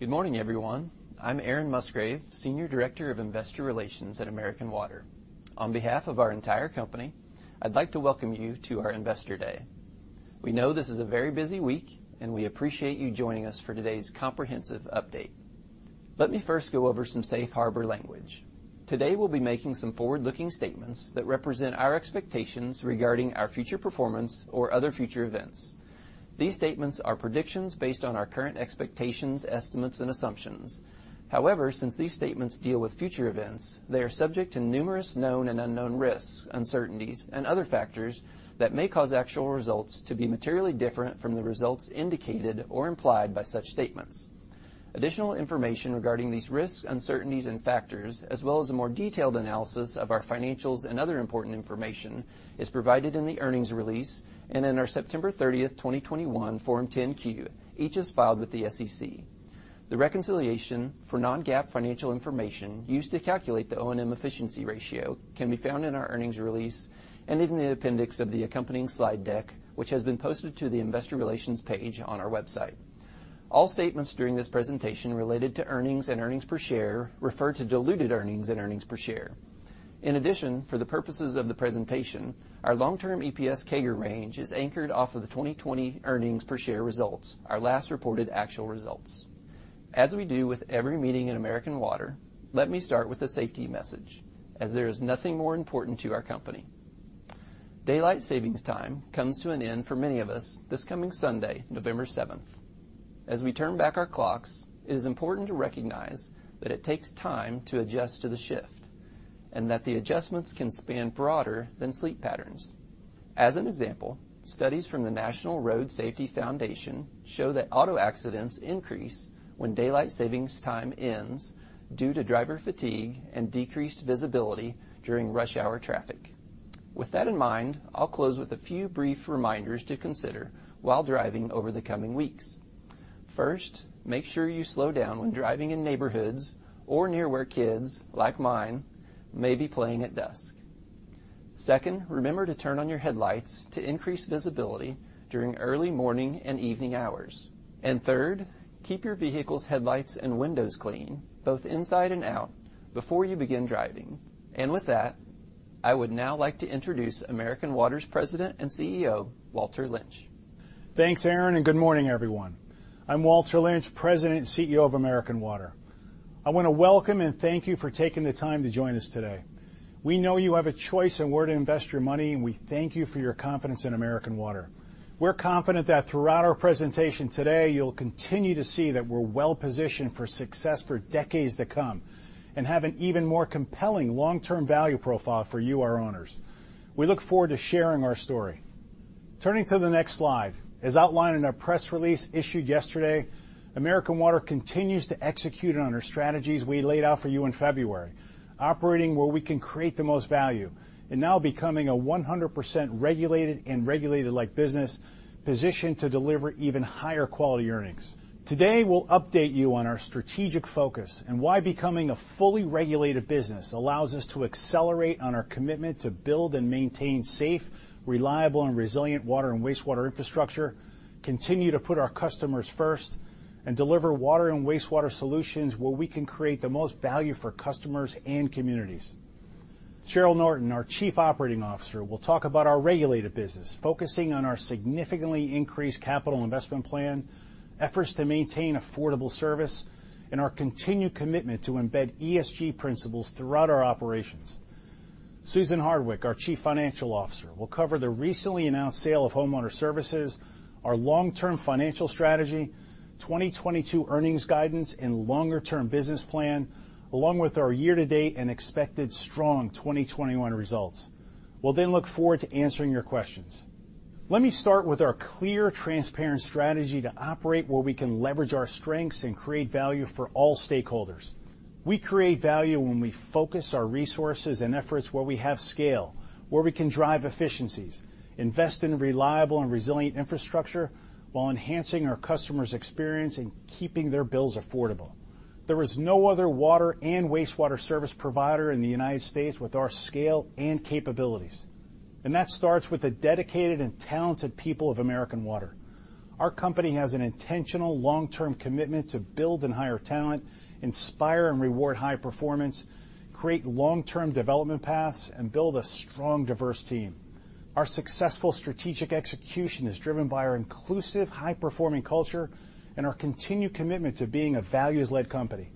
Good morning, everyone. I'm Aaron Musgrave, Senior Director of Investor Relations at American Water. On behalf of our entire company, I'd like to welcome you to our Investor Day. We know this is a very busy week, and we appreciate you joining us for today's comprehensive update. Let me first go over some Safe Harbor language. Today, we'll be making some forward-looking statements that represent our expectations regarding our future performance or other future events. These statements are predictions based on our current expectations, estimates, and assumptions. However, since these statements deal with future events, they are subject to numerous known and unknown risks, uncertainties, and other factors that may cause actual results to be materially different from the results indicated or implied by such statements. Additional information regarding these risks, uncertainties, and factors, as well as a more detailed analysis of our financials and other important information, is provided in the earnings release and in our September 30th, 2021, Form 10-Q, each as filed with the SEC. The reconciliation for non-GAAP financial information used to calculate the O&M efficiency ratio can be found in our earnings release and in the appendix of the accompanying slide deck, which has been posted to the Investor Relations page on our website. All statements during this presentation related to earnings and earnings per share refer to diluted earnings and earnings per share. In addition, for the purposes of the presentation, our long-term EPS CAGR range is anchored off of the 2020 earnings per share results, our last reported actual results. As we do with every meeting at American Water, let me start with a safety message, as there is nothing more important to our company. Daylight Savings Time comes to an end for many of us this coming Sunday, November 7th. As we turn back our clocks, it is important to recognize that it takes time to adjust to the shift and that the adjustments can span broader than sleep patterns. As an example, studies from the National Road Safety Foundation show that auto accidents increase when Daylight Savings Time ends due to driver fatigue and decreased visibility during rush hour traffic. With that in mind, I'll close with a few brief reminders to consider while driving over the coming weeks. First, make sure you slow down when driving in neighborhoods or near where kids, like mine, may be playing at dusk. Second, remember to turn on your headlights to increase visibility during early morning and evening hours. Third, keep your vehicle's headlights and windows clean, both inside and out, before you begin driving. With that, I would now like to introduce American Water's President and CEO, Walter Lynch. Thanks, Aaron, and good morning, everyone. I'm Walter Lynch, President and CEO of American Water. I wanna welcome and thank you for taking the time to join us today. We know you have a choice on where to invest your money, and we thank you for your confidence in American Water. We're confident that throughout our presentation today, you'll continue to see that we're well-positioned for success for decades to come and have an even more compelling long-term value profile for you, our owners. We look forward to sharing our story. Turning to the next slide, as outlined in our press release issued yesterday, American Water continues to execute on our strategies we laid out for you in February, operating where we can create the most value and now becoming a 100% regulated and regulated-like business positioned to deliver even higher quality earnings. Today, we'll update you on our strategic focus and why becoming a fully regulated business allows us to accelerate on our commitment to build and maintain safe, reliable, and resilient water and wastewater infrastructure, continue to put our customers first, and deliver water and wastewater solutions where we can create the most value for customers and communities. Cheryl Norton, our Chief Operating Officer, will talk about our regulated business, focusing on our significantly increased capital investment plan, efforts to maintain affordable service, and our continued commitment to embed ESG principles throughout our operations. Susan Hardwick, our Chief Financial Officer, will cover the recently announced sale of Homeowner Services, our long-term financial strategy, 2022 earnings guidance, and longer-term business plan, along with our year-to-date and expected strong 2021 results. We'll then look forward to answering your questions. Let me start with our clear, transparent strategy to operate where we can leverage our strengths and create value for all stakeholders. We create value when we focus our resources and efforts where we have scale, where we can drive efficiencies, invest in reliable and resilient infrastructure while enhancing our customers' experience and keeping their bills affordable. There is no other water and wastewater service provider in the United States with our scale and capabilities, and that starts with the dedicated and talented people of American Water. Our company has an intentional long-term commitment to build and hire talent, inspire and reward high performance, create long-term development paths, and build a strong, diverse team. Our successful strategic execution is driven by our inclusive, high-performing culture and our continued commitment to being a values-led company.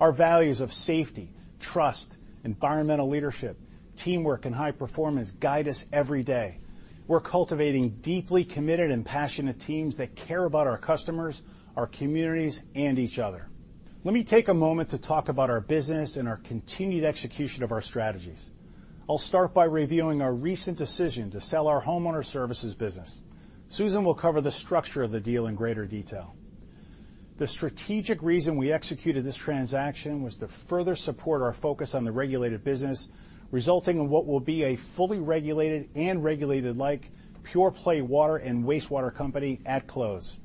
Our values of safety, trust, environmental leadership, teamwork, and high performance guide us every day. We're cultivating deeply committed and passionate teams that care about our customers, our communities, and each other. Let me take a moment to talk about our business and our continued execution of our strategies. I'll start by reviewing our recent decision to sell our Homeowner Services business. Susan will cover the structure of the deal in greater detail. The strategic reason we executed this transaction was to further support our focus on the regulated business, resulting in what will be a fully regulated and regulated-like pure-play water and wastewater company at close.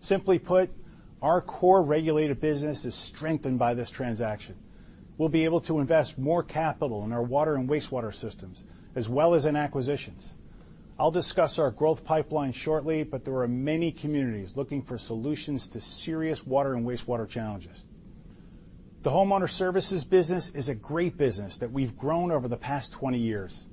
Simply put, our core regulated business is strengthened by this transaction. We'll be able to invest more capital in our water and wastewater systems, as well as in acquisitions. I'll discuss our growth pipeline shortly, but there are many communities looking for solutions to serious water and wastewater challenges. The Homeowner Services business is a great business that we've grown over the past 20 years.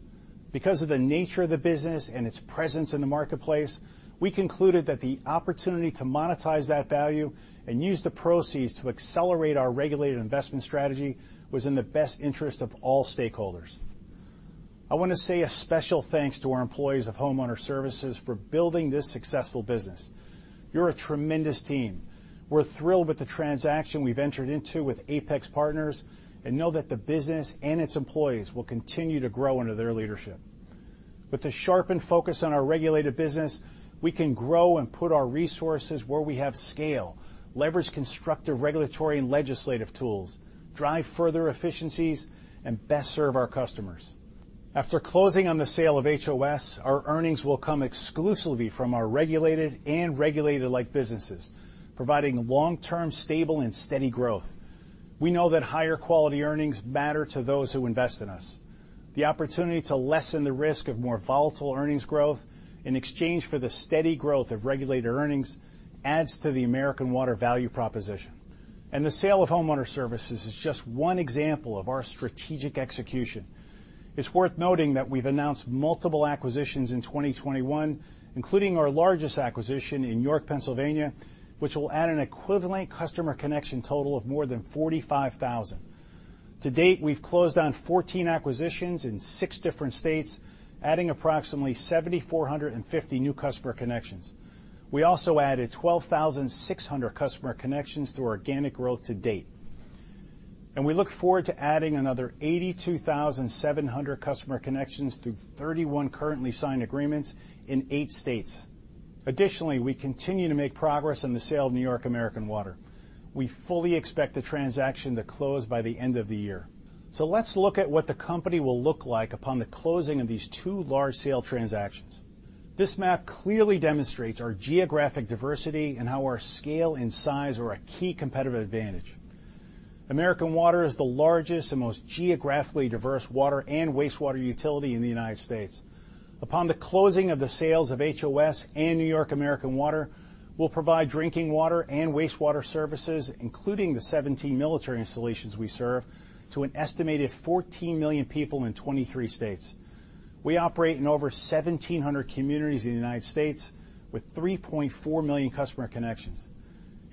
Because of the nature of the business and its presence in the marketplace, we concluded that the opportunity to monetize that value and use the proceeds to accelerate our regulated investment strategy was in the best interest of all stakeholders. I wanna say a special thanks to our employees of Homeowner Services for building this successful business. You're a tremendous team. We're thrilled with the transaction we've entered into with Apax Partners and know that the business and its employees will continue to grow under their leadership. With the sharpened focus on our regulated business, we can grow and put our resources where we have scale, leverage constructive regulatory and legislative tools, drive further efficiencies, and best serve our customers. After closing on the sale of HOS, our earnings will come exclusively from our regulated and regulated-like businesses, providing long-term stable and steady growth. We know that higher-quality earnings matter to those who invest in us. The opportunity to lessen the risk of more volatile earnings growth in exchange for the steady growth of regulated earnings adds to the American Water value proposition. The sale of Homeowner Services is just one example of our strategic execution. It's worth noting that we've announced multiple acquisitions in 2021, including our largest acquisition in York, Pennsylvania, which will add an equivalent customer connection total of more than 45,000. To date, we've closed on 14 acquisitions in six different states, adding approximately 7,450 new customer connections. We also added 12,600 customer connections through organic growth to date. We look forward to adding another 82,700 customer connections through 31 currently signed agreements in eight states. Additionally, we continue to make progress on the sale of New York American Water. We fully expect the transaction to close by the end of the year. Let's look at what the company will look like upon the closing of these two large-scale transactions. This map clearly demonstrates our geographic diversity and how our scale and size are a key competitive advantage. American Water is the largest and most geographically diverse water and wastewater utility in the United States. Upon the closing of the sales of HOS and New York American Water, we'll provide drinking water and wastewater services, including the 17 military installations we serve, to an estimated 14 million people in 23 states. We operate in over 1,700 communities in the United States with 3.4 million customer connections.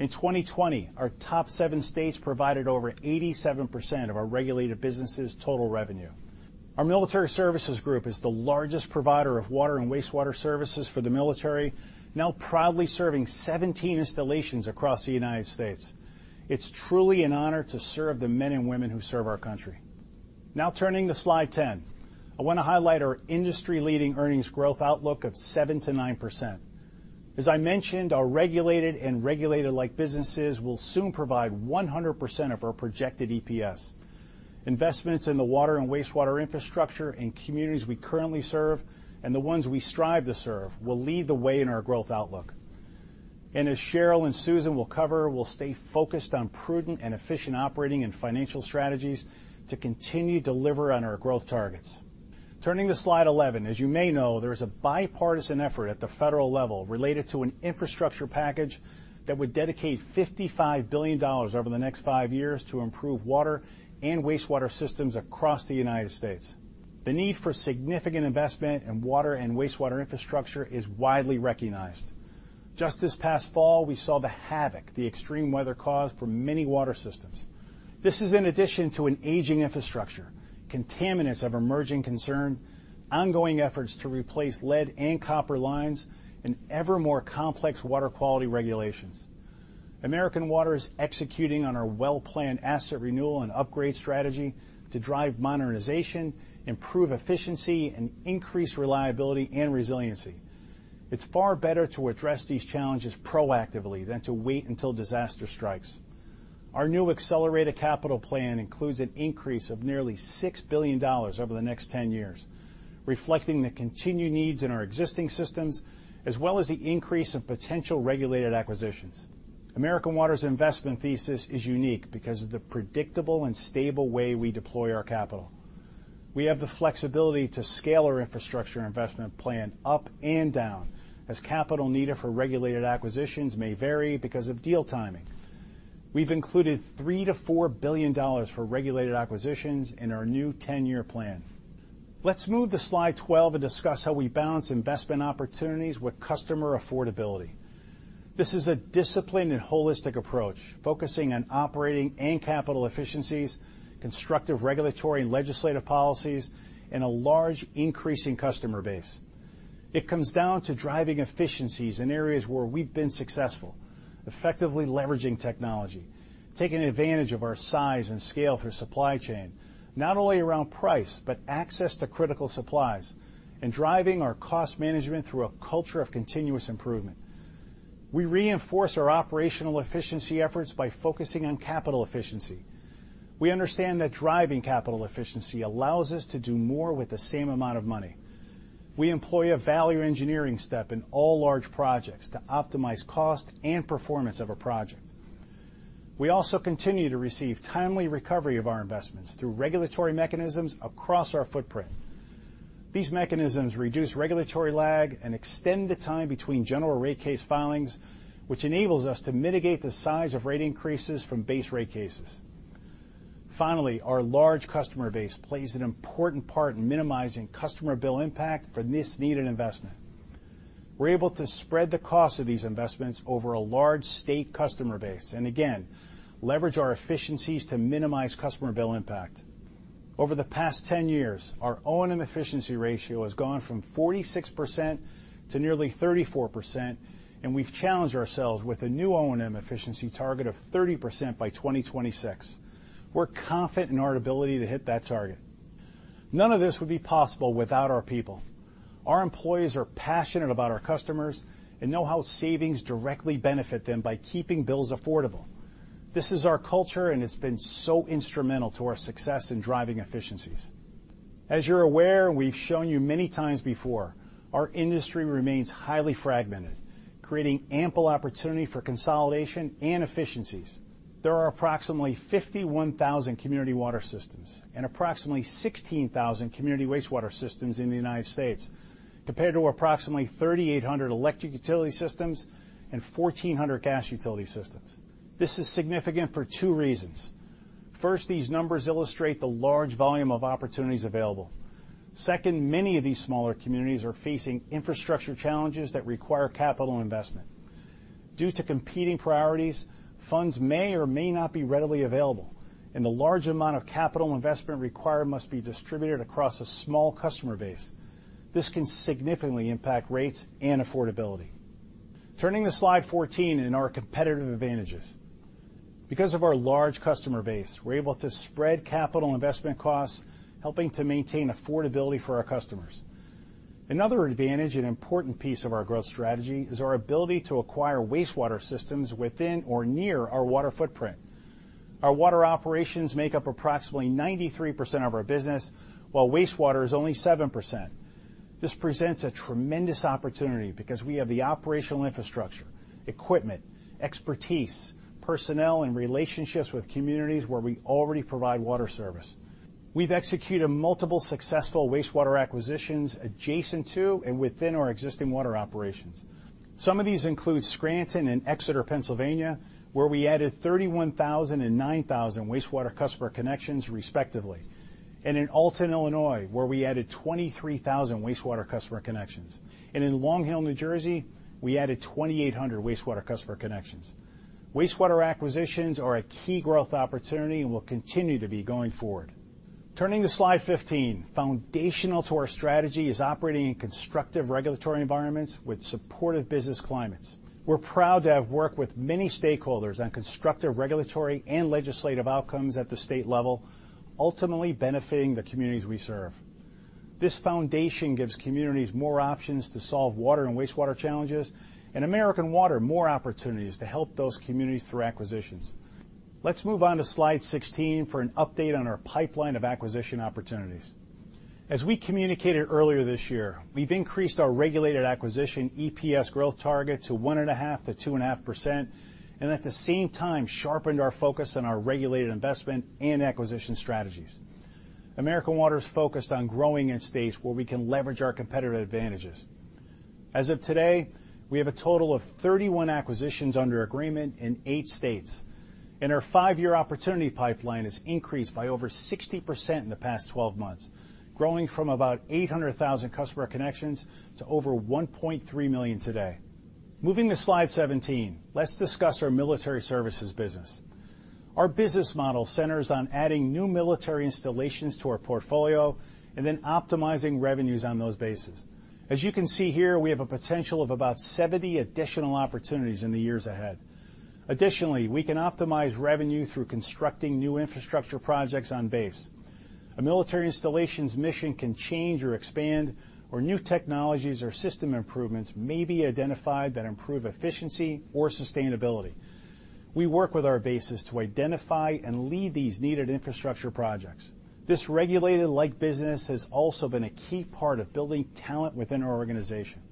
In 2020, our top seven states provided over 87% of our regulated businesses' total revenue. Our Military Services Group is the largest provider of water and wastewater services for the military, now proudly serving 17 installations across the United States. It's truly an honor to serve the men and women who serve our country. Now turning to slide 10, I wanna highlight our industry-leading earnings growth outlook of 7%-9%. As I mentioned, our regulated and regulated-like businesses will soon provide 100% of our projected EPS. Investments in the water and wastewater infrastructure in communities we currently serve and the ones we strive to serve will lead the way in our growth outlook. As Cheryl and Susan will cover, we'll stay focused on prudent and efficient operating and financial strategies to continue to deliver on our growth targets. Turning to slide 11, as you may know, there is a bipartisan effort at the federal level related to an infrastructure package that would dedicate $55 billion over the next five years to improve water and wastewater systems across the United States. The need for significant investment in water and wastewater infrastructure is widely recognized. Just this past fall, we saw the havoc the extreme weather caused for many water systems. This is in addition to an aging infrastructure, contaminants of emerging concern, ongoing efforts to replace lead and copper lines, and ever more complex water quality regulations. American Water is executing on our well-planned asset renewal and upgrade strategy to drive modernization, improve efficiency, and increase reliability and resiliency. It's far better to address these challenges proactively than to wait until disaster strikes. Our new accelerated capital plan includes an increase of nearly $6 billion over the next 10 years, reflecting the continued needs in our existing systems as well as the increase of potential regulated acquisitions. American Water's investment thesis is unique because of the predictable and stable way we deploy our capital. We have the flexibility to scale our infrastructure investment plan up and down as capital needed for regulated acquisitions may vary because of deal timing. We've included $3 billion-$4 billion for regulated acquisitions in our new 10-year plan. Let's move to slide 12 and discuss how we balance investment opportunities with customer affordability. This is a disciplined and holistic approach, focusing on operating and capital efficiencies, constructive regulatory and legislative policies, and a large increasing customer base. It comes down to driving efficiencies in areas where we've been successful, effectively leveraging technology, taking advantage of our size and scale through supply chain, not only around price, but access to critical supplies, and driving our cost management through a culture of continuous improvement. We reinforce our operational efficiency efforts by focusing on capital efficiency. We understand that driving capital efficiency allows us to do more with the same amount of money. We employ a value engineering step in all large projects to optimize cost and performance of a project. We also continue to receive timely recovery of our investments through regulatory mechanisms across our footprint. These mechanisms reduce regulatory lag and extend the time between general rate case filings, which enables us to mitigate the size of rate increases from base rate cases. Finally, our large customer base plays an important part in minimizing customer bill impact for this needed investment. We're able to spread the cost of these investments over a large state customer base, and again, leverage our efficiencies to minimize customer bill impact. Over the past 10 years, our O&M efficiency ratio has gone from 46% to nearly 34%, and we've challenged ourselves with a new O&M efficiency target of 30% by 2026. We're confident in our ability to hit that target. None of this would be possible without our people. Our employees are passionate about our customers and know how savings directly benefit them by keeping bills affordable. This is our culture, and it's been so instrumental to our success in driving efficiencies. As you're aware, we've shown you many times before, our industry remains highly fragmented, creating ample opportunity for consolidation and efficiencies. There are approximately 51,000 community water systems and approximately 16,000 community wastewater systems in the United States, compared to approximately 3,800 electric utility systems and 1,400 gas utility systems. This is significant for two reasons. First, these numbers illustrate the large volume of opportunities available. Second, many of these smaller communities are facing infrastructure challenges that require capital investment. Due to competing priorities, funds may or may not be readily available, and the large amount of capital investment required must be distributed across a small customer base. This can significantly impact rates and affordability. Turning to slide 14 in our competitive advantages. Because of our large customer base, we're able to spread capital investment costs, helping to maintain affordability for our customers. Another advantage and important piece of our growth strategy is our ability to acquire wastewater systems within or near our water footprint. Our water operations make up approximately 93% of our business, while wastewater is only 7%. This presents a tremendous opportunity because we have the operational infrastructure, equipment, expertise, personnel, and relationships with communities where we already provide water service. We've executed multiple successful wastewater acquisitions adjacent to and within our existing water operations. Some of these include Scranton and Exeter, Pennsylvania, where we added 31,000 and 9,000 wastewater customer connections, respectively. In Alton, Illinois, where we added 23,000 wastewater customer connections. In Long Hill, New Jersey, we added 2,800 wastewater customer connections. Wastewater acquisitions are a key growth opportunity and will continue to be going forward. Turning to slide 15, foundational to our strategy is operating in constructive regulatory environments with supportive business climates. We're proud to have worked with many stakeholders on constructive regulatory and legislative outcomes at the state level, ultimately benefiting the communities we serve. This foundation gives communities more options to solve water and wastewater challenges and American Water more opportunities to help those communities through acquisitions. Let's move on to slide 16 for an update on our pipeline of acquisition opportunities. As we communicated earlier this year, we've increased our regulated acquisition EPS growth target to 1.5%-2.5%, and at the same time sharpened our focus on our regulated investment and acquisition strategies. American Water is focused on growing in states where we can leverage our competitive advantages. As of today, we have a total of 31 acquisitions under agreement in eight states, and our five-year opportunity pipeline has increased by over 60% in the past 12 months, growing from about 800,000 customer connections to over 1.3 million today. Moving to slide 17, let's discuss our Military Services business. Our business model centers on adding new military installations to our portfolio and then optimizing revenues on those bases. As you can see here, we have a potential of about 70 additional opportunities in the years ahead. Additionally, we can optimize revenue through constructing new infrastructure projects on base. A military installation's mission can change or expand, or new technologies or system improvements may be identified that improve efficiency or sustainability. We work with our bases to identify and lead these needed infrastructure projects. This regulated-like business has also been a key part of building talent within our organization.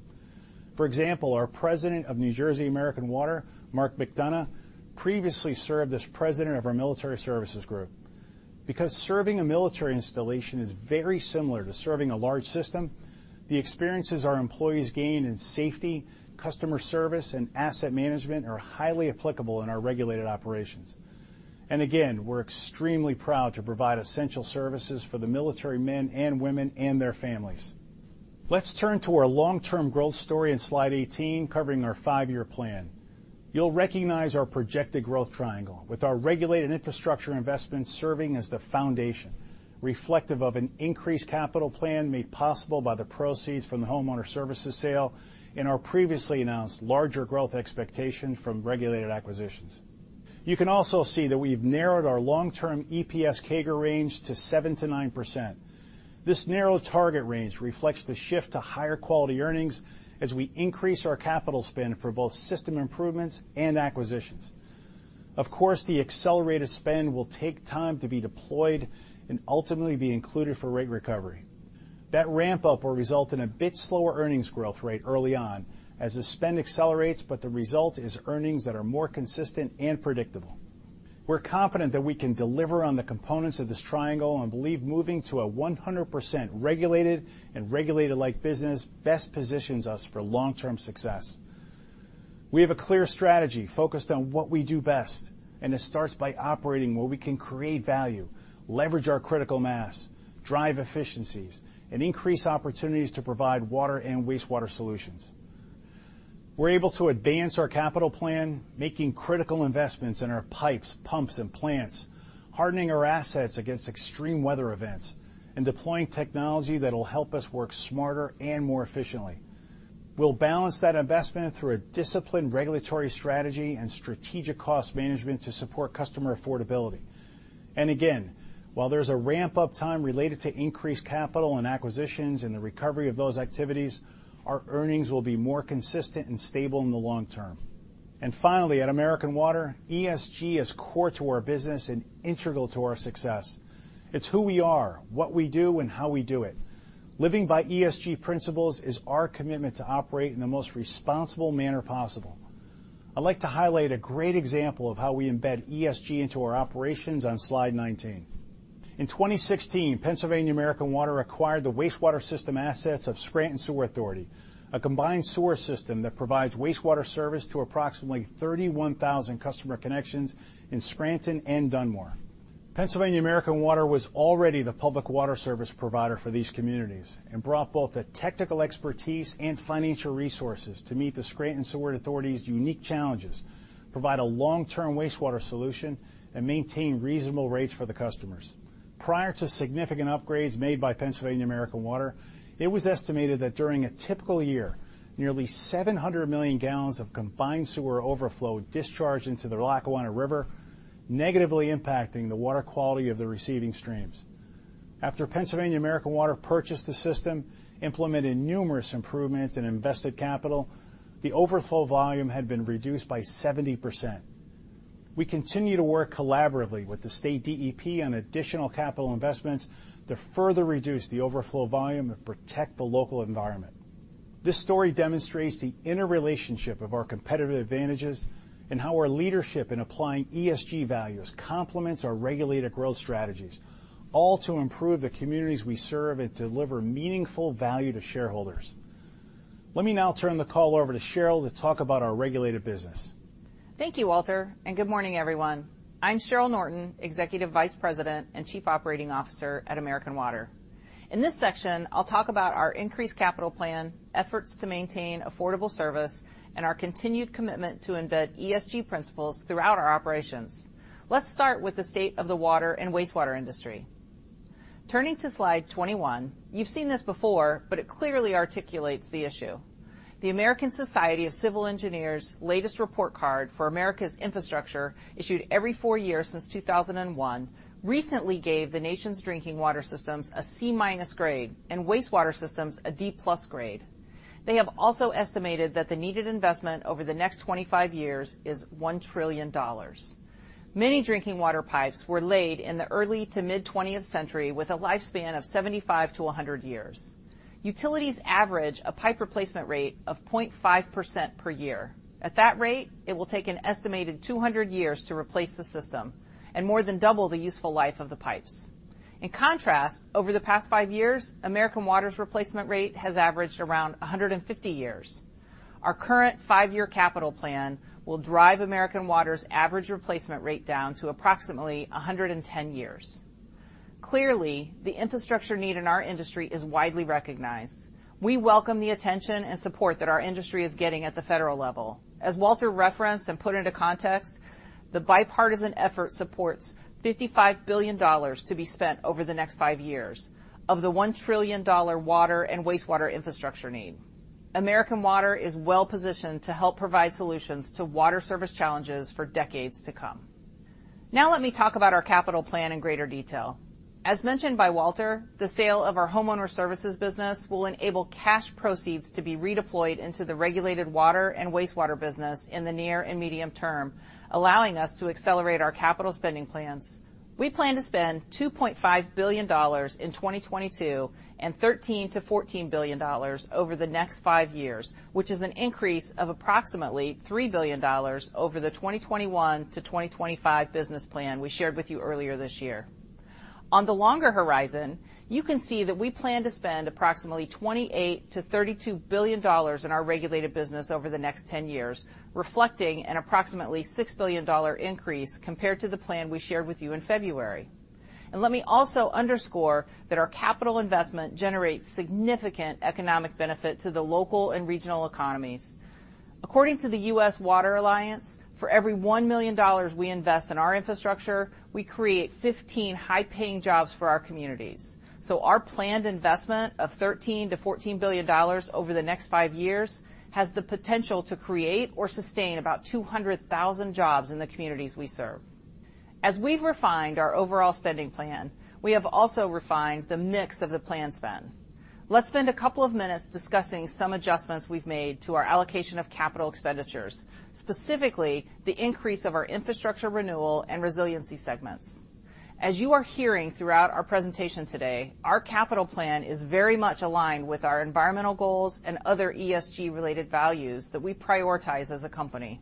For example, our President of New Jersey American Water, Mark McDonough, previously served as president of our Military Services Group. Because serving a military installation is very similar to serving a large system, the experiences our employees gain in safety, customer service, and asset management are highly applicable in our regulated operations. We're extremely proud to provide essential services for the military men and women and their families. Let's turn to our long-term growth story in slide 18, covering our five-year plan. You'll recognize our projected growth triangle with our regulated infrastructure investment serving as the foundation, reflective of an increased capital plan made possible by the proceeds from the Homeowner Services sale and our previously announced larger growth expectation from regulated acquisitions. You can also see that we've narrowed our long-term EPS CAGR range to 7%-9%. This narrow target range reflects the shift to higher-quality earnings as we increase our capital spend for both system improvements and acquisitions. Of course, the accelerated spend will take time to be deployed and ultimately be included for rate recovery. That ramp-up will result in a bit slower earnings growth rate early on as the spend accelerates, but the result is earnings that are more consistent and predictable. We're confident that we can deliver on the components of this triangle and believe moving to a 100% regulated and regulated-like business best positions us for long-term success. We have a clear strategy focused on what we do best, and it starts by operating where we can create value, leverage our critical mass, drive efficiencies, and increase opportunities to provide water and wastewater solutions. We're able to advance our capital plan, making critical investments in our pipes, pumps, and plants, hardening our assets against extreme weather events, and deploying technology that'll help us work smarter and more efficiently. We'll balance that investment through a disciplined regulatory strategy and strategic cost management to support customer affordability. While there's a ramp-up time related to increased capital and acquisitions and the recovery of those activities, our earnings will be more consistent and stable in the long term. Finally, at American Water, ESG is core to our business and integral to our success. It's who we are, what we do, and how we do it. Living by ESG principles is our commitment to operate in the most responsible manner possible. I'd like to highlight a great example of how we embed ESG into our operations on slide 19. In 2016, Pennsylvania American Water acquired the wastewater system assets of Scranton Sewer Authority, a combined sewer system that provides wastewater service to approximately 31,000 customer connections in Scranton and Dunmore. Pennsylvania American Water was already the public water service provider for these communities and brought both the technical expertise and financial resources to meet the Scranton Sewer Authority's unique challenges, provide a long-term wastewater solution, and maintain reasonable rates for the customers. Prior to significant upgrades made by Pennsylvania American Water, it was estimated that during a typical year, nearly 700 million gallons of combined sewer overflow discharged into the Lackawanna River, negatively impacting the water quality of the receiving streams. After Pennsylvania American Water purchased the system, implemented numerous improvements, and invested capital, the overflow volume had been reduced by 70%. We continue to work collaboratively with the state DEP on additional capital investments to further reduce the overflow volume and protect the local environment. This story demonstrates the interrelationship of our competitive advantages and how our leadership in applying ESG values complements our regulated growth strategies, all to improve the communities we serve and deliver meaningful value to shareholders. Let me now turn the call over to Cheryl to talk about our regulated business. Thank you, Walter, and good morning, everyone. I'm Cheryl Norton, Executive Vice President and Chief Operating Officer at American Water. In this section, I'll talk about our increased capital plan, efforts to maintain affordable service, and our continued commitment to embed ESG principles throughout our operations. Let's start with the state of the water and wastewater industry. Turning to slide 21, you've seen this before, but it clearly articulates the issue. The American Society of Civil Engineers' latest report card for America's infrastructure, issued every four years since 2001, recently gave the nation's drinking water systems a C-minus grade and wastewater systems a D-plus grade. They have also estimated that the needed investment over the next 25 years is $1 trillion. Many drinking water pipes were laid in the early to mid-20th century with a lifespan of 75-100 years. Utilities average a pipe replacement rate of 0.5% per year. At that rate, it will take an estimated 200 years to replace the system and more than double the useful life of the pipes. In contrast, over the past five years, American Water's replacement rate has averaged around 150 years. Our current five-year capital plan will drive American Water's average replacement rate down to approximately 110 years. Clearly, the infrastructure need in our industry is widely recognized. We welcome the attention and support that our industry is getting at the federal level. As Walter referenced and put into context, the bipartisan effort supports $55 billion to be spent over the next five years of the $1 trillion water and wastewater infrastructure need. American Water is well-positioned to help provide solutions to water service challenges for decades to come. Now let me talk about our capital plan in greater detail. As mentioned by Walter, the sale of our Homeowner Services business will enable cash proceeds to be redeployed into the regulated water and wastewater business in the near and medium term, allowing us to accelerate our capital spending plans. We plan to spend $2.5 billion in 2022 and $13 billion-$14 billion over the next five years, which is an increase of approximately $3 billion over the 2021-2025 business plan we shared with you earlier this year. On the longer horizon, you can see that we plan to spend approximately $28 billion-$32 billion in our regulated business over the next ten years, reflecting an approximately $6 billion increase compared to the plan we shared with you in February. Let me also underscore that our capital investment generates significant economic benefit to the local and regional economies. According to the US Water Alliance, for every $1 million we invest in our infrastructure, we create 15 high-paying jobs for our communities. Our planned investment of $13 billion-$14 billion over the next five years has the potential to create or sustain about 200,000 jobs in the communities we serve. As we've refined our overall spending plan, we have also refined the mix of the planned spend. Let's spend a couple of minutes discussing some adjustments we've made to our allocation of capital expenditures, specifically the increase of our infrastructure renewal and resiliency segments. As you are hearing throughout our presentation today, our capital plan is very much aligned with our environmental goals and other ESG-related values that we prioritize as a company.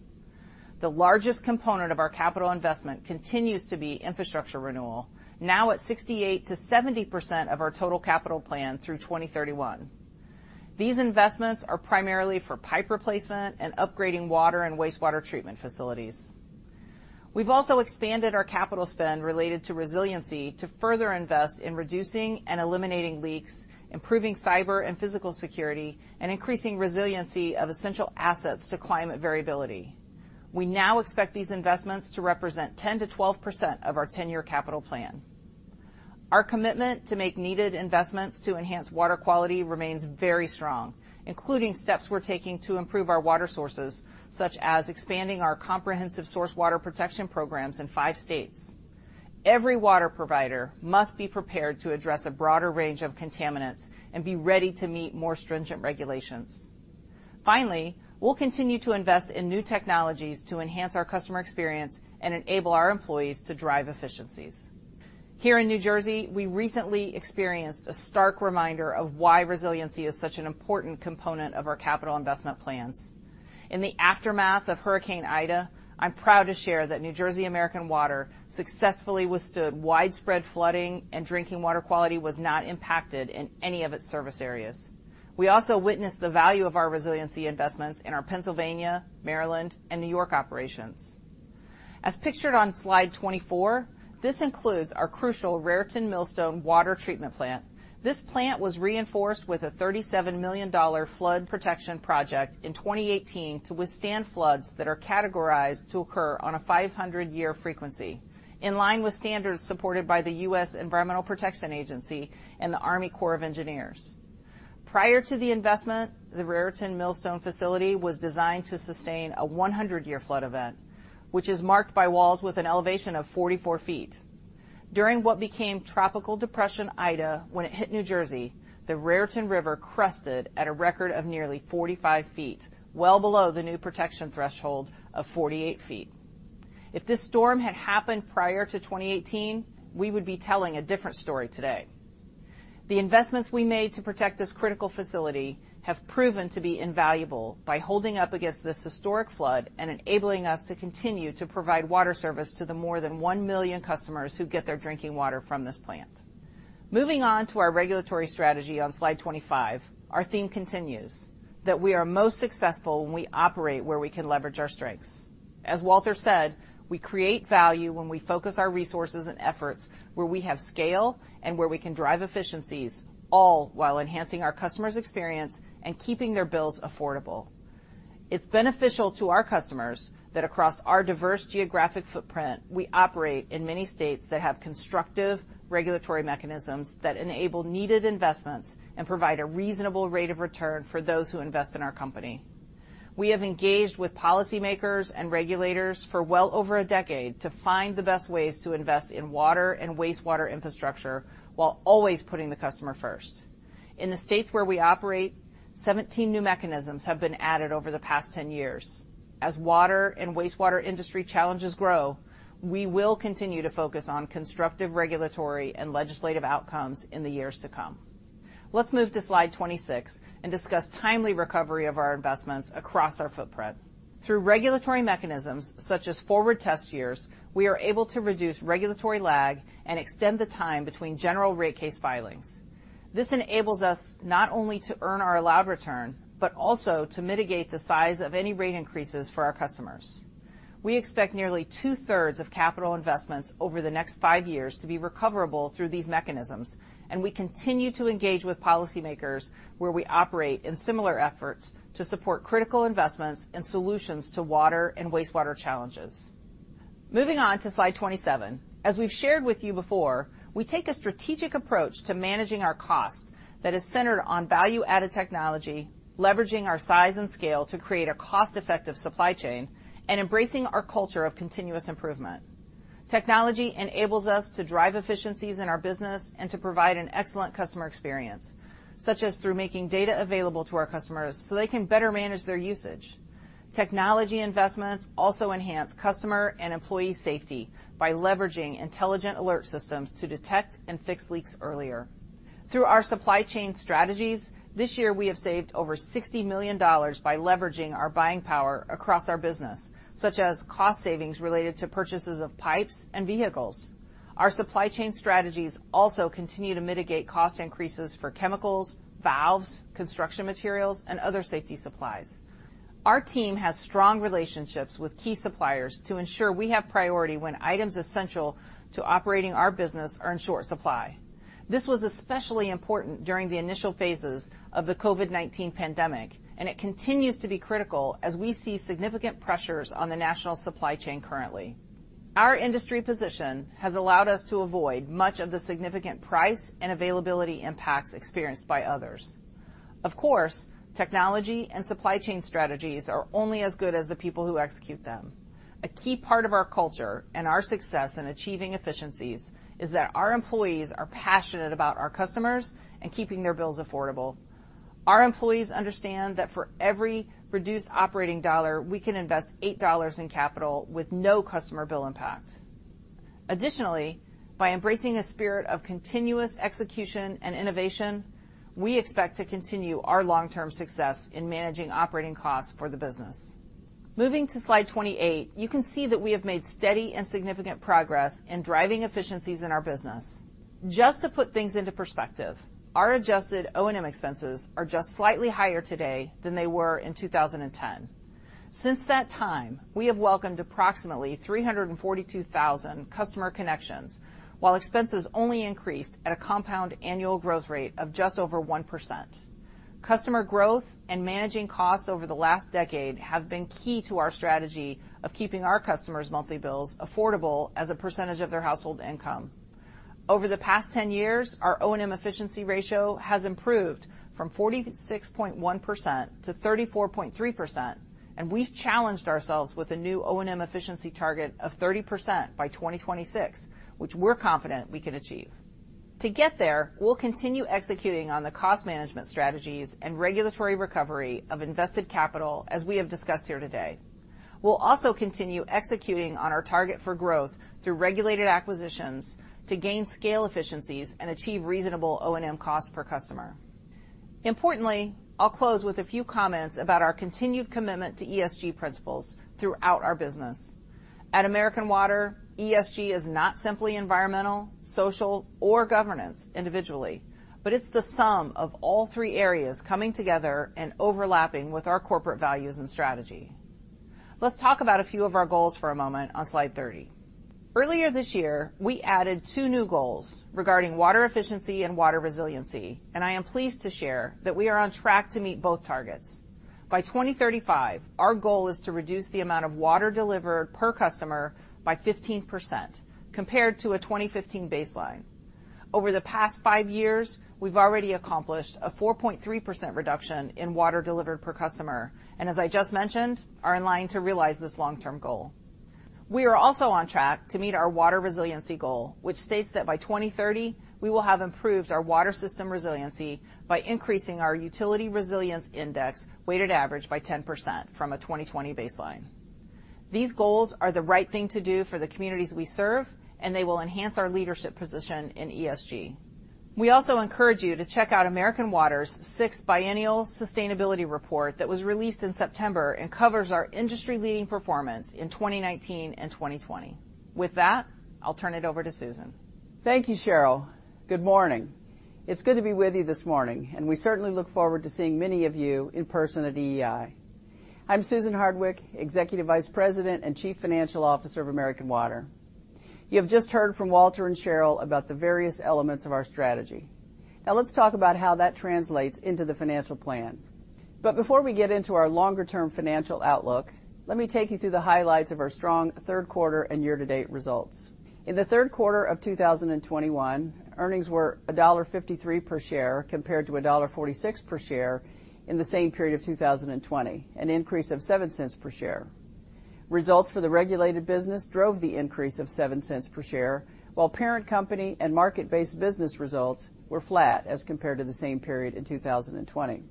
The largest component of our capital investment continues to be infrastructure renewal, now at 68%-70% of our total capital plan through 2031. These investments are primarily for pipe replacement and upgrading water and wastewater treatment facilities. We've also expanded our capital spend related to resiliency to further invest in reducing and eliminating leaks, improving cyber and physical security, and increasing resiliency of essential assets to climate variability. We now expect these investments to represent 10%-12% of our 10-year capital plan. Our commitment to make needed investments to enhance water quality remains very strong, including steps we're taking to improve our water sources, such as expanding our comprehensive source water protection programs in five states. Every water provider must be prepared to address a broader range of contaminants and be ready to meet more stringent regulations. Finally, we'll continue to invest in new technologies to enhance our customer experience and enable our employees to drive efficiencies. Here in New Jersey, we recently experienced a stark reminder of why resiliency is such an important component of our capital investment plans. In the aftermath of Hurricane Ida, I'm proud to share that New Jersey American Water successfully withstood widespread flooding and drinking water quality was not impacted in any of its service areas. We also witnessed the value of our resiliency investments in our Pennsylvania, Maryland, and New York operations. As pictured on slide 24, this includes our crucial Raritan-Millstone water treatment plant. This plant was reinforced with a $37 million flood protection project in 2018 to withstand floods that are categorized to occur on a 500-year frequency, in line with standards supported by the U.S. Environmental Protection Agency and the U.S. Army Corps of Engineers. Prior to the investment, the Raritan-Millstone facility was designed to sustain a 100-year flood event, which is marked by walls with an elevation of 44 ft. During what became Tropical Depression Ida when it hit New Jersey, the Raritan River crested at a record of nearly 45 ft, well below the new protection threshold of 48 ft. If this storm had happened prior to 2018, we would be telling a different story today. The investments we made to protect this critical facility have proven to be invaluable by holding up against this historic flood and enabling us to continue to provide water service to the more than 1 million customers who get their drinking water from this plant. Moving on to our regulatory strategy on slide 25, our theme continues: that we are most successful when we operate where we can leverage our strengths. As Walter said, we create value when we focus our resources and efforts where we have scale and where we can drive efficiencies, all while enhancing our customers' experience and keeping their bills affordable. It's beneficial to our customers that across our diverse geographic footprint, we operate in many states that have constructive regulatory mechanisms that enable needed investments and provide a reasonable rate of return for those who invest in our company. We have engaged with policymakers and regulators for well over a decade to find the best ways to invest in water and wastewater infrastructure while always putting the customer first. In the states where we operate, 17 new mechanisms have been added over the past 10 years. As water and wastewater industry challenges grow, we will continue to focus on constructive regulatory and legislative outcomes in the years to come. Let's move to slide 26 and discuss timely recovery of our investments across our footprint. Through regulatory mechanisms such as forward test years, we are able to reduce regulatory lag and extend the time between general rate case filings. This enables us not only to earn our allowed return, but also to mitigate the size of any rate increases for our customers. We expect nearly two-thirds of capital investments over the next five years to be recoverable through these mechanisms, and we continue to engage with policymakers where we operate in similar efforts to support critical investments and solutions to water and wastewater challenges. Moving on to slide 27, as we've shared with you before, we take a strategic approach to managing our cost that is centered on value-added technology, leveraging our size and scale to create a cost-effective supply chain and embracing our culture of continuous improvement. Technology enables us to drive efficiencies in our business and to provide an excellent customer experience, such as through making data available to our customers so they can better manage their usage. Technology investments also enhance customer and employee safety by leveraging intelligent alert systems to detect and fix leaks earlier. Through our supply chain strategies, this year we have saved over $60 million by leveraging our buying power across our business, such as cost savings related to purchases of pipes and vehicles. Our supply chain strategies also continue to mitigate cost increases for chemicals, valves, construction materials, and other safety supplies. Our team has strong relationships with key suppliers to ensure we have priority when items essential to operating our business are in short supply. This was especially important during the initial phases of the COVID-19 pandemic, and it continues to be critical as we see significant pressures on the national supply chain currently. Our industry position has allowed us to avoid much of the significant price and availability impacts experienced by others. Of course, technology and supply chain strategies are only as good as the people who execute them. A key part of our culture and our success in achieving efficiencies is that our employees are passionate about our customers and keeping their bills affordable. Our employees understand that for every reduced operating dollar, we can invest eight dollars in capital with no customer bill impact. Additionally, by embracing a spirit of continuous execution and innovation, we expect to continue our long-term success in managing operating costs for the business. Moving to slide 28, you can see that we have made steady and significant progress in driving efficiencies in our business. Just to put things into perspective, our adjusted O&M expenses are just slightly higher today than they were in 2010. Since that time, we have welcomed approximately 342,000 customer connections, while expenses only increased at a compound annual growth rate of just over 1%. Customer growth and managing costs over the last decade have been key to our strategy of keeping our customers' monthly bills affordable as a percentage of their household income. Over the past 10 years, our O&M efficiency ratio has improved from 46.1% to 34.3%, and we've challenged ourselves with a new O&M efficiency target of 30% by 2026, which we're confident we can achieve. To get there, we'll continue executing on the cost management strategies and regulatory recovery of invested capital, as we have discussed here today. We'll also continue executing on our target for growth through regulated acquisitions to gain scale efficiencies and achieve reasonable O&M cost per customer. Importantly, I'll close with a few comments about our continued commitment to ESG principles throughout our business. At American Water, ESG is not simply environmental, social, or governance individually, but it's the sum of all three areas coming together and overlapping with our corporate values and strategy. Let's talk about a few of our goals for a moment on slide 30. Earlier this year, we added two new goals regarding water efficiency and water resiliency, and I am pleased to share that we are on track to meet both targets. By 2035, our goal is to reduce the amount of water delivered per customer by 15% compared to a 2015 baseline. Over the past five years, we've already accomplished a 4.3% reduction in water delivered per customer, and as I just mentioned, are in line to realize this long-term goal. We are also on track to meet our water resiliency goal, which states that by 2030, we will have improved our water system resiliency by increasing our Utility Resilience Index weighted average by 10% from a 2020 baseline. These goals are the right thing to do for the communities we serve, and they will enhance our leadership position in ESG. We also encourage you to check out American Water's sixth biennial sustainability report that was released in September and covers our industry-leading performance in 2019 and 2020. With that, I'll turn it over to Susan. Thank you, Cheryl. Good morning. It's good to be with you this morning, and we certainly look forward to seeing many of you in person at EEI. I'm Susan Hardwick, Executive Vice President and Chief Financial Officer of American Water. You have just heard from Walter and Cheryl about the various elements of our strategy. Now let's talk about how that translates into the financial plan. Before we get into our longer-term financial outlook, let me take you through the highlights of our strong third quarter and year-to-date results. In the third quarter of 2021, earnings were $1.53 per share, compared to $1.46 per share in the same period of 2020, an increase of $0.07 per share. Results for the regulated business drove the increase of $0.07 per share, while parent company and market-based business results were flat as compared to the same period in 2020.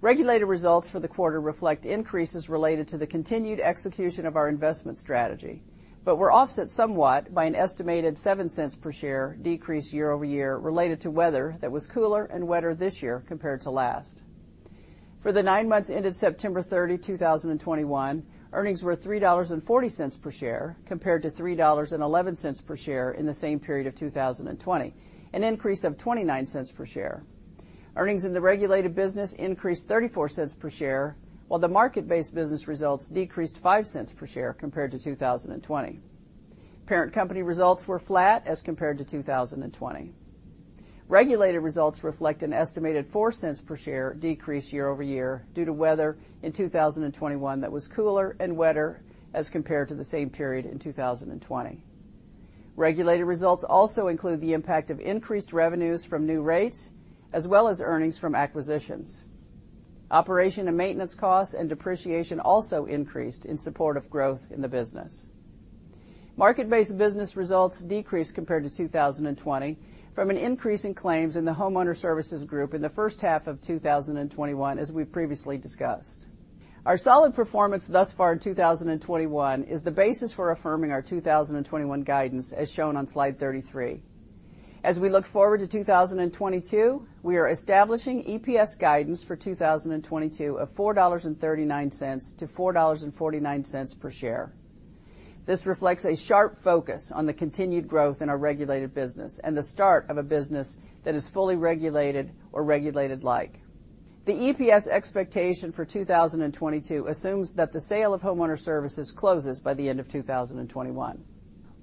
Regulated results for the quarter reflect increases related to the continued execution of our investment strategy, but were offset somewhat by an estimated $0.07 per share decrease year-over-year related to weather that was cooler and wetter this year compared to last. For the nine months ended September 30, 2021, earnings were $3.40 per share, compared to $3.11 per share in the same period of 2020, an increase of $0.29 per share. Earnings in the regulated business increased $0.34 per share, while the market-based business results decreased $0.05 per share compared to 2020. Parent company results were flat as compared to 2020. Regulated results reflect an estimated $0.04 per share decrease year-over-year due to weather in 2021 that was cooler and wetter as compared to the same period in 2020. Regulated results also include the impact of increased revenues from new rates as well as earnings from acquisitions. Operation and maintenance costs and depreciation also increased in support of growth in the business. Market-based business results decreased compared to 2020 from an increase in claims in the Homeowner Services Group in the first half of 2021, as we previously discussed. Our solid performance thus far in 2021 is the basis for affirming our 2021 guidance as shown on slide 33. As we look forward to 2022, we are establishing EPS guidance for 2022 of $4.39-$4.49 per share. This reflects a sharp focus on the continued growth in our regulated business and the start of a business that is fully regulated or regulated-like. The EPS expectation for 2022 assumes that the sale of Homeowner Services closes by the end of 2021.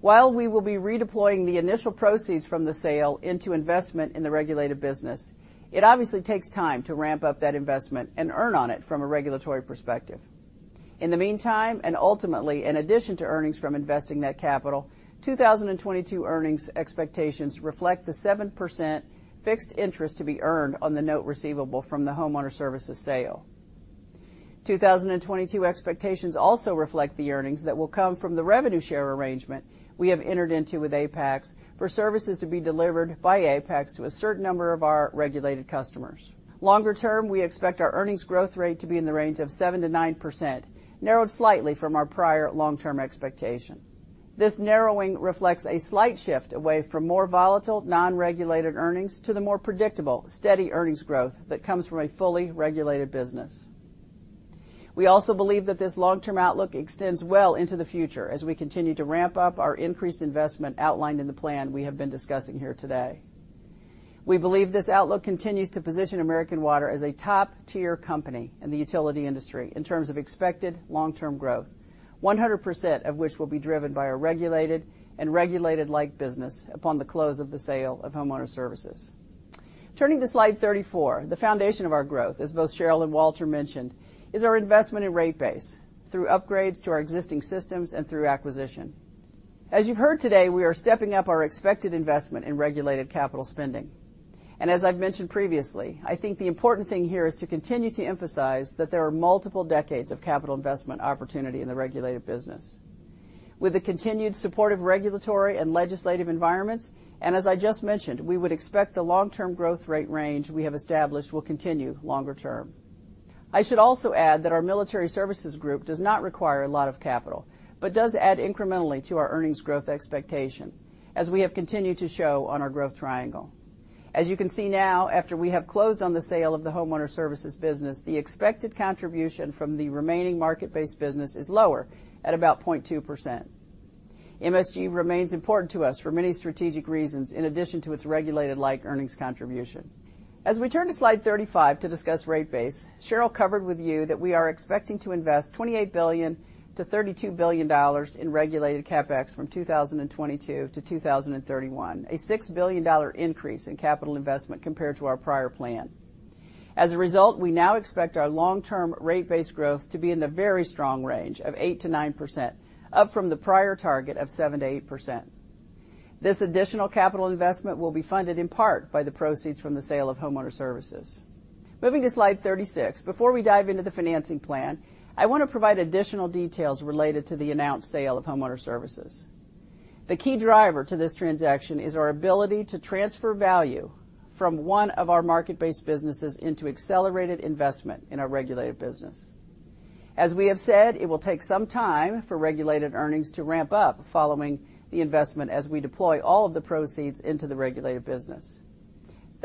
While we will be redeploying the initial proceeds from the sale into investment in the regulated business, it obviously takes time to ramp up that investment and earn on it from a regulatory perspective. In the meantime, and ultimately in addition to earnings from investing that capital, 2022 earnings expectations reflect the 7% fixed interest to be earned on the note receivable from the Homeowner Services sale. 2022 expectations also reflect the earnings that will come from the revenue share arrangement we have entered into with Apax for services to be delivered by Apax to a certain number of our regulated customers. Longer-term, we expect our earnings growth rate to be in the range of 7%-9%, narrowed slightly from our prior long-term expectation. This narrowing reflects a slight shift away from more volatile non-regulated earnings to the more predictable, steady earnings growth that comes from a fully regulated business. We also believe that this long-term outlook extends well into the future as we continue to ramp up our increased investment outlined in the plan we have been discussing here today. We believe this outlook continues to position American Water as a top-tier company in the utility industry in terms of expected long-term growth, 100% of which will be driven by our regulated and regulated-like business upon the close of the sale of Homeowner Services. Turning to slide 34, the foundation of our growth, as both Cheryl and Walter mentioned, is our investment in rate base through upgrades to our existing systems and through acquisition. As you've heard today, we are stepping up our expected investment in regulated capital spending. As I've mentioned previously, I think the important thing here is to continue to emphasize that there are multiple decades of capital investment opportunity in the regulated business. With the continued support of regulatory and legislative environments, and as I just mentioned, we would expect the long-term growth rate range we have established will continue longer term. I should also add that our Military Services Group does not require a lot of capital but does add incrementally to our earnings growth expectation as we have continued to show on our growth triangle. As you can see now after we have closed on the sale of the Homeowner Services business, the expected contribution from the remaining market-based business is lower at about 0.2%. MSG remains important to us for many strategic reasons in addition to its regulated-like earnings contribution. As we turn to slide 35 to discuss rate base, Cheryl covered with you that we are expecting to invest $28 billion-$32 billion in regulated CapEx from 2022 to 2031, a $6 billion increase in capital investment compared to our prior plan. As a result, we now expect our long-term rate base growth to be in the very strong range of 8%-9%, up from the prior target of 7%-8%. This additional capital investment will be funded in part by the proceeds from the sale of Homeowner Services. Moving to slide 36, before we dive into the financing plan, I want to provide additional details related to the announced sale of Homeowner Services. The key driver to this transaction is our ability to transfer value from one of our market-based businesses into accelerated investment in our regulated business. As we have said, it will take some time for regulated earnings to ramp up following the investment as we deploy all of the proceeds into the regulated business.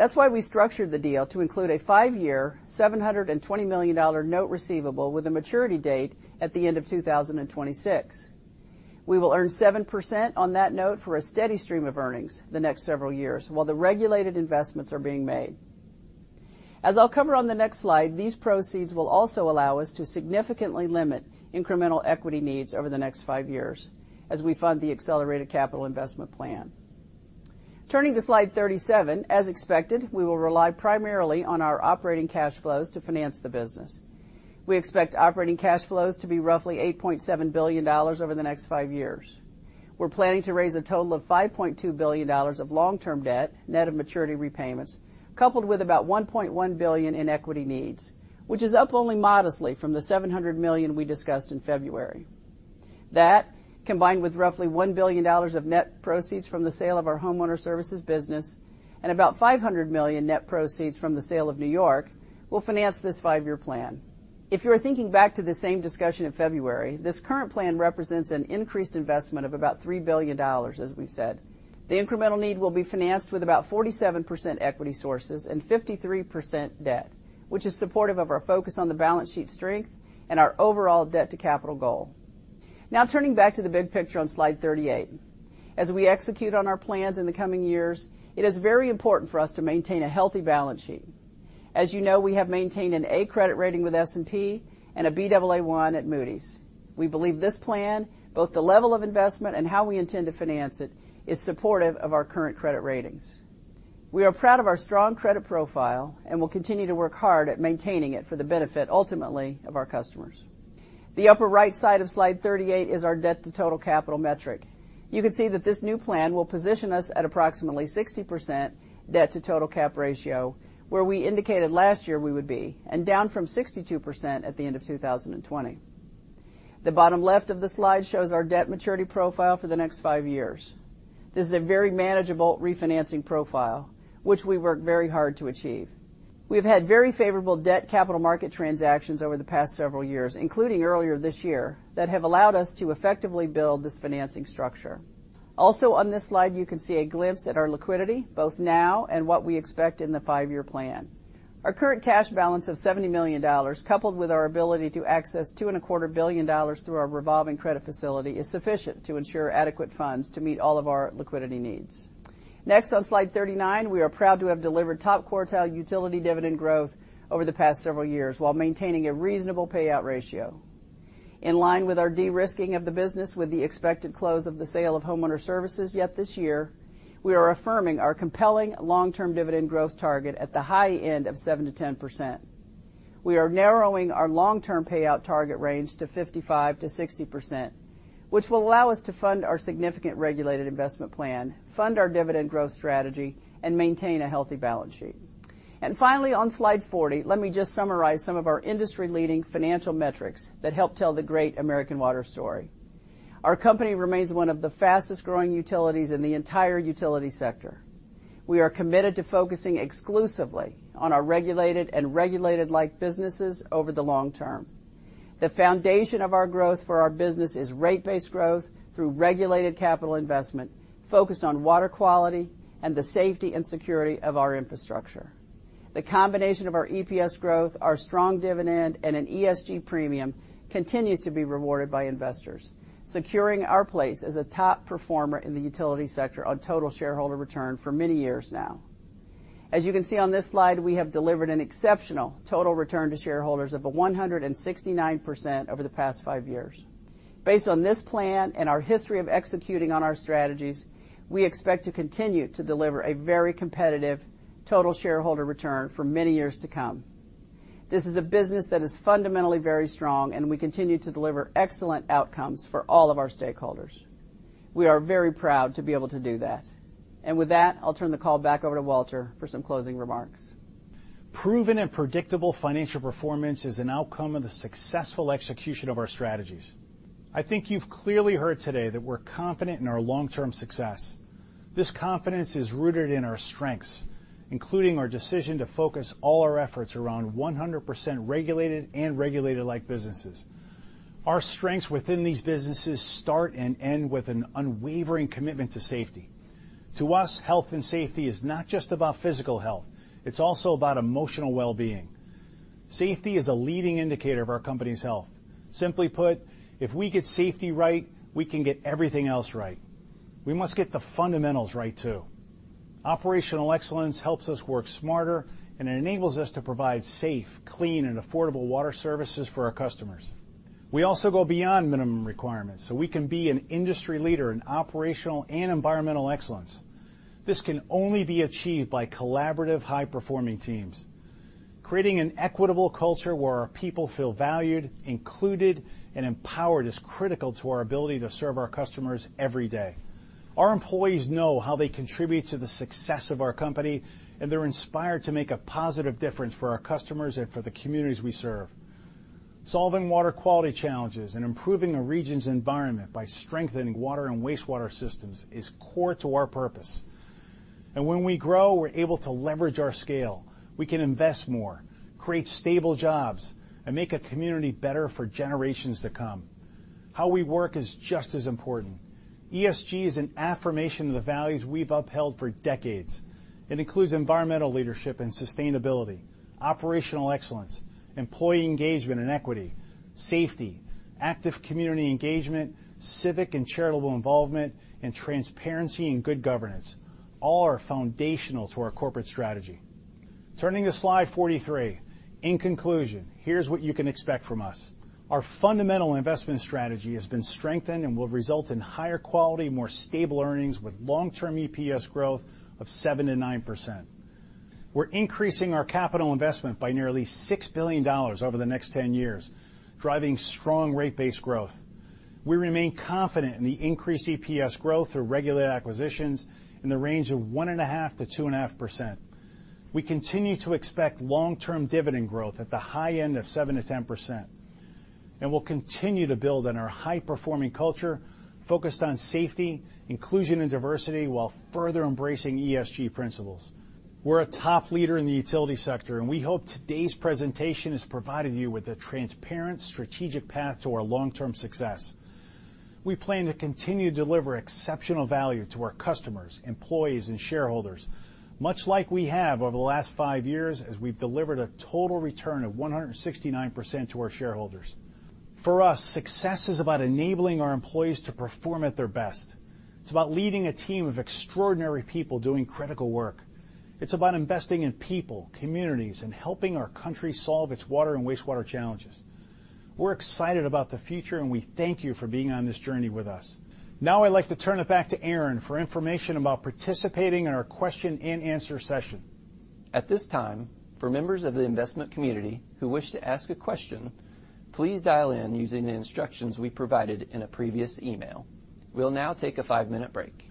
That's why we structured the deal to include a five-year $720 million note receivable with a maturity date at the end of 2026. We will earn 7% on that note for a steady stream of earnings the next several years while the regulated investments are being made. As I'll cover on the next slide, these proceeds will also allow us to significantly limit incremental equity needs over the next five years as we fund the accelerated capital investment plan. Turning to slide 37, as expected, we will rely primarily on our operating cash flows to finance the business. We expect operating cash flows to be roughly $8.7 billion over the next five years. We're planning to raise a total of $5.2 billion of long-term debt, net of maturity repayments, coupled with about $1.1 billion in equity needs, which is up only modestly from the $700 million we discussed in February. That, combined with roughly $1 billion of net proceeds from the sale of our Homeowner Services business and about $500 million net proceeds from the sale of New York, will finance this five-year plan. If you're thinking back to the same discussion in February, this current plan represents an increased investment of about $3 billion, as we've said. The incremental need will be financed with about 47% equity sources and 53% debt, which is supportive of our focus on the balance sheet strength and our overall debt to capital goal. Now turning back to the big picture on slide 38, as we execute on our plans in the coming years, it is very important for us to maintain a healthy balance sheet. As you know, we have maintained an A credit rating with S&P and a Baa1 at Moody's. We believe this plan, both the level of investment and how we intend to finance it, is supportive of our current credit ratings. We are proud of our strong credit profile and will continue to work hard at maintaining it for the benefit, ultimately, of our customers. The upper right side of slide 38 is our debt to total capital metric. You can see that this new plan will position us at approximately 60% debt to total cap ratio, where we indicated last year we would be, and down from 62% at the end of 2020. The bottom left of the slide shows our debt maturity profile for the next five years. This is a very manageable refinancing profile, which we worked very hard to achieve. We have had very favorable debt capital market transactions over the past several years, including earlier this year, that have allowed us to effectively build this financing structure. Also on this slide, you can see a glimpse at our liquidity, both now and what we expect in the five-year plan. Our current cash balance of $70 million, coupled with our ability to access $2.25 billion through our revolving credit facility, is sufficient to ensure adequate funds to meet all of our liquidity needs. Next on slide 39, we are proud to have delivered top quartile utility dividend growth over the past several years while maintaining a reasonable payout ratio. In line with our de-risking of the business with the expected close of the sale of Homeowner Services yet this year, we are affirming our compelling long-term dividend growth target at the high end of 7%-10%. We are narrowing our long-term payout target range to 55%-60%, which will allow us to fund our significant regulated investment plan, fund our dividend growth strategy, and maintain a healthy balance sheet. Finally, on slide 40, let me just summarize some of our industry-leading financial metrics that help tell the great American Water story. Our company remains one of the fastest-growing utilities in the entire utility sector. We are committed to focusing exclusively on our regulated and regulated-like businesses over the long term. The foundation of our growth for our business is rate-based growth through regulated capital investment focused on water quality and the safety and security of our infrastructure. The combination of our EPS growth, our strong dividend, and an ESG premium continues to be rewarded by investors, securing our place as a top performer in the utility sector on total shareholder return for many years now. As you can see on this slide, we have delivered an exceptional total return to shareholders of 169% over the past five years. Based on this plan and our history of executing on our strategies, we expect to continue to deliver a very competitive total shareholder return for many years to come. This is a business that is fundamentally very strong, and we continue to deliver excellent outcomes for all of our stakeholders. We are very proud to be able to do that. With that, I'll turn the call back over to Walter for some closing remarks. Proven and predictable financial performance is an outcome of the successful execution of our strategies. I think you've clearly heard today that we're confident in our long-term success. This confidence is rooted in our strengths, including our decision to focus all our efforts around 100% regulated and regulated-like businesses. Our strengths within these businesses start and end with an unwavering commitment to safety. To us, health and safety is not just about physical health, it's also about emotional well-being. Safety is a leading indicator of our company's health. Simply put, if we get safety right, we can get everything else right. We must get the fundamentals right too. Operational excellence helps us work smarter and enables us to provide safe, clean, and affordable water services for our customers. We also go beyond minimum requirements so we can be an industry leader in operational and environmental excellence. This can only be achieved by collaborative high-performing teams. Creating an equitable culture where our people feel valued, included, and empowered is critical to our ability to serve our customers every day. Our employees know how they contribute to the success of our company, and they're inspired to make a positive difference for our customers and for the communities we serve. Solving water quality challenges and improving a region's environment by strengthening water and wastewater systems is core to our purpose. When we grow, we're able to leverage our scale. We can invest more, create stable jobs, and make a community better for generations to come. How we work is just as important. ESG is an affirmation of the values we've upheld for decades. It includes environmental leadership and sustainability, operational excellence, employee engagement and equity, safety, active community engagement, civic and charitable involvement, and transparency and good governance. All are foundational to our corporate strategy. Turning to slide 43. In conclusion, here's what you can expect from us. Our fundamental investment strategy has been strengthened and will result in higher quality, more stable earnings with long-term EPS growth of 7% and 9%. We're increasing our capital investment by nearly $6 billion over the next 10 years, driving strong rate-based growth. We remain confident in the increased EPS growth through regulated acquisitions in the range of 1.5%-2.5%. We continue to expect long-term dividend growth at the high end of 7%-10%, and we'll continue to build on our high-performing culture focused on safety, inclusion, and diversity while further embracing ESG principles. We're a top leader in the utility sector, and we hope today's presentation has provided you with a transparent strategic path to our long-term success. We plan to continue to deliver exceptional value to our customers, employees, and shareholders, much like we have over the last five years as we've delivered a total return of 169% to our shareholders. For us, success is about enabling our employees to perform at their best. It's about leading a team of extraordinary people doing critical work. It's about investing in people, communities, and helping our country solve its water and wastewater challenges. We're excited about the future, and we thank you for being on this journey with us. Now I'd like to turn it back to Aaron for information about participating in our question and answer session. At this time, for members of the investment community who wish to ask a question, please dial in using the instructions we provided in a previous email. We'll now take a five-minute break.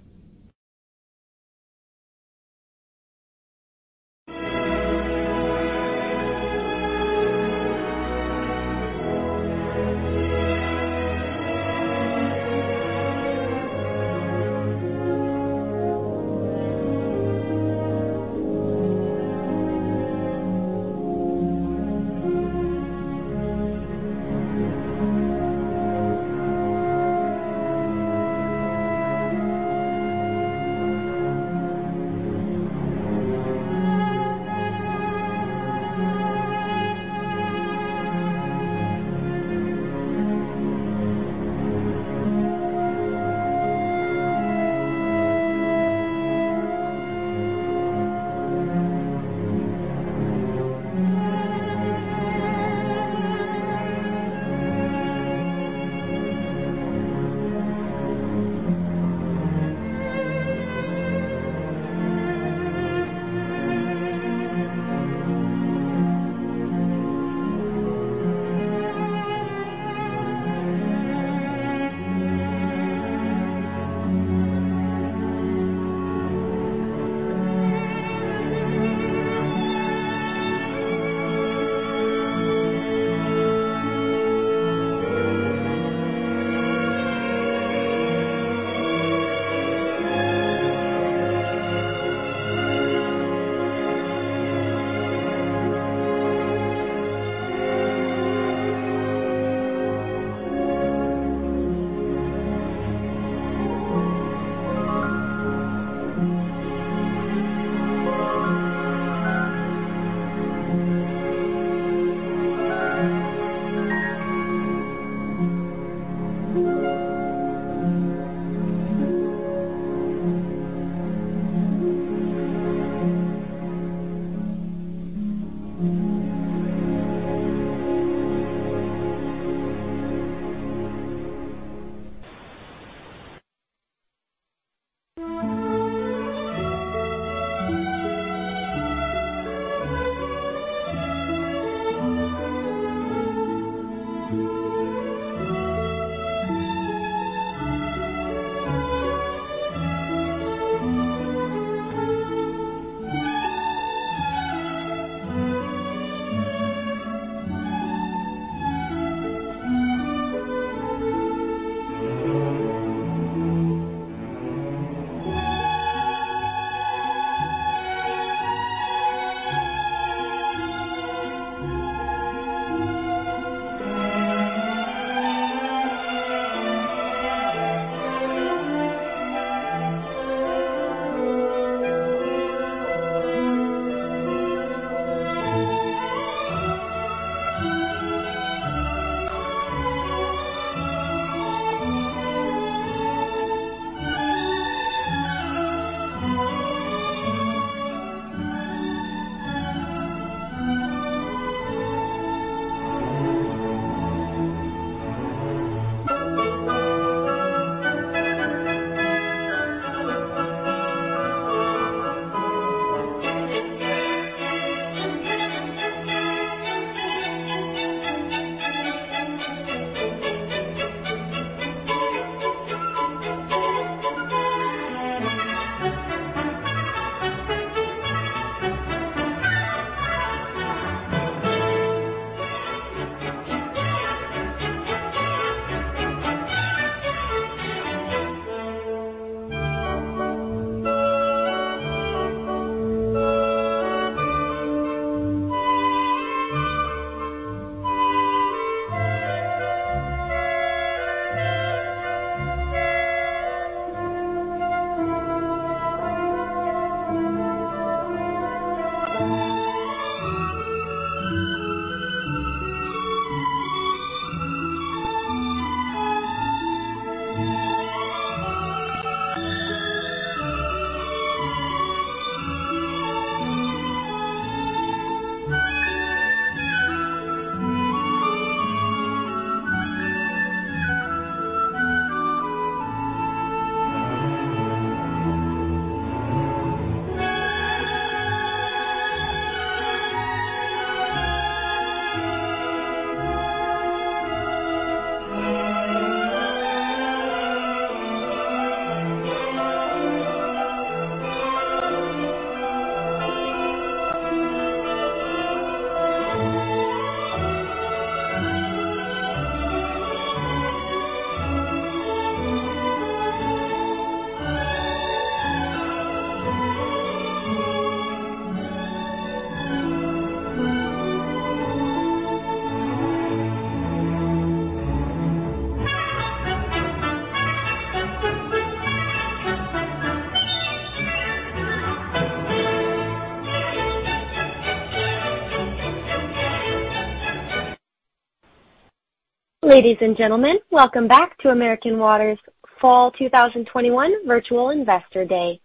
Ladies and gentlemen, welcome back to American Water's Fall 2021 Virtual Investor Day.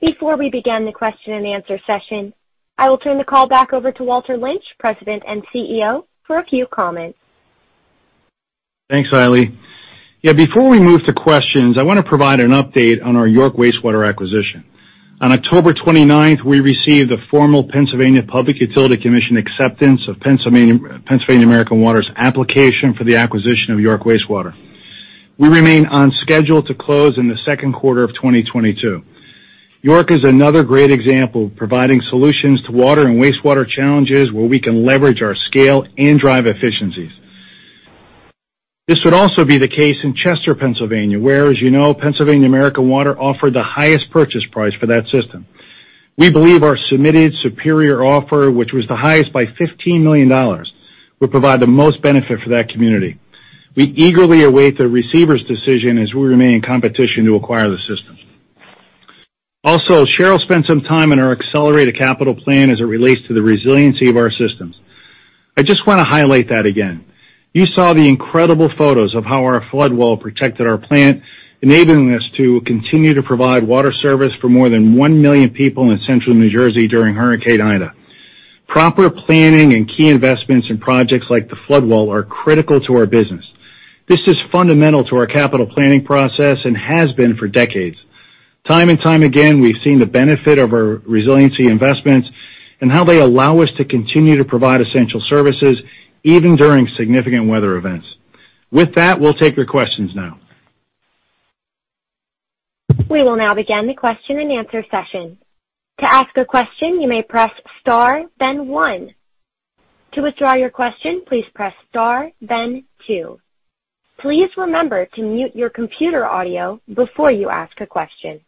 Before we begin the question and answer session, I will turn the call back over to Walter Lynch, President and CEO, for a few comments. Thanks, Eileen. Yeah, before we move to questions, I wanna provide an update on our York Wastewater acquisition. On October 29, we received a formal Pennsylvania Public Utility Commission acceptance of Pennsylvania American Water's application for the acquisition of York Wastewater. We remain on schedule to close in the second quarter of 2022. York is another great example of providing solutions to water and wastewater challenges where we can leverage our scale and drive efficiencies. This would also be the case in Chester, Pennsylvania, where, as you know, Pennsylvania American Water offered the highest purchase price for that system. We believe our submitted superior offer, which was the highest by $15 million, will provide the most benefit for that community. We eagerly await the receiver's decision as we remain in competition to acquire the system. Also, Cheryl spent some time in our accelerated capital plan as it relates to the resiliency of our systems. I just wanna highlight that again. You saw the incredible photos of how our flood wall protected our plant, enabling us to continue to provide water service for more than 1 million people in central New Jersey during Hurricane Ida. Proper planning and key investments in projects like the flood wall are critical to our business. This is fundamental to our capital planning process and has been for decades. Time and time again, we've seen the benefit of our resiliency investments and how they allow us to continue to provide essential services even during significant weather events. With that, we'll take your questions now. We will now begin the question-and-answer session. To ask a question, you may press star then one. To withdraw your question, please press star then two. Please remember to mute your computer audio before you ask a question.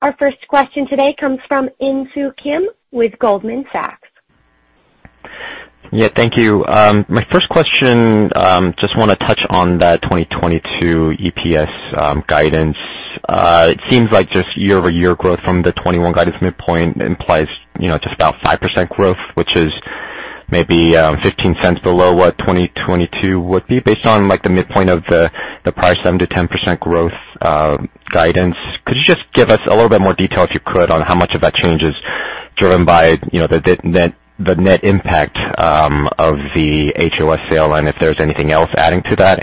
Our first question today comes from Insoo Kim with Goldman Sachs. Yeah, thank you. My first question, just want to touch on the 2022 EPS guidance. It seems like just year-over-year growth from the 2021 guidance midpoint implies, you know, just about 5% growth, which is maybe $0.15 below what 2022 would be based on, like, the midpoint of the prior 7%-10% growth guidance. Could you just give us a little bit more detail, if you could, on how much of that change is driven by, you know, the net impact of the HOS sale, and if there's anything else adding to that?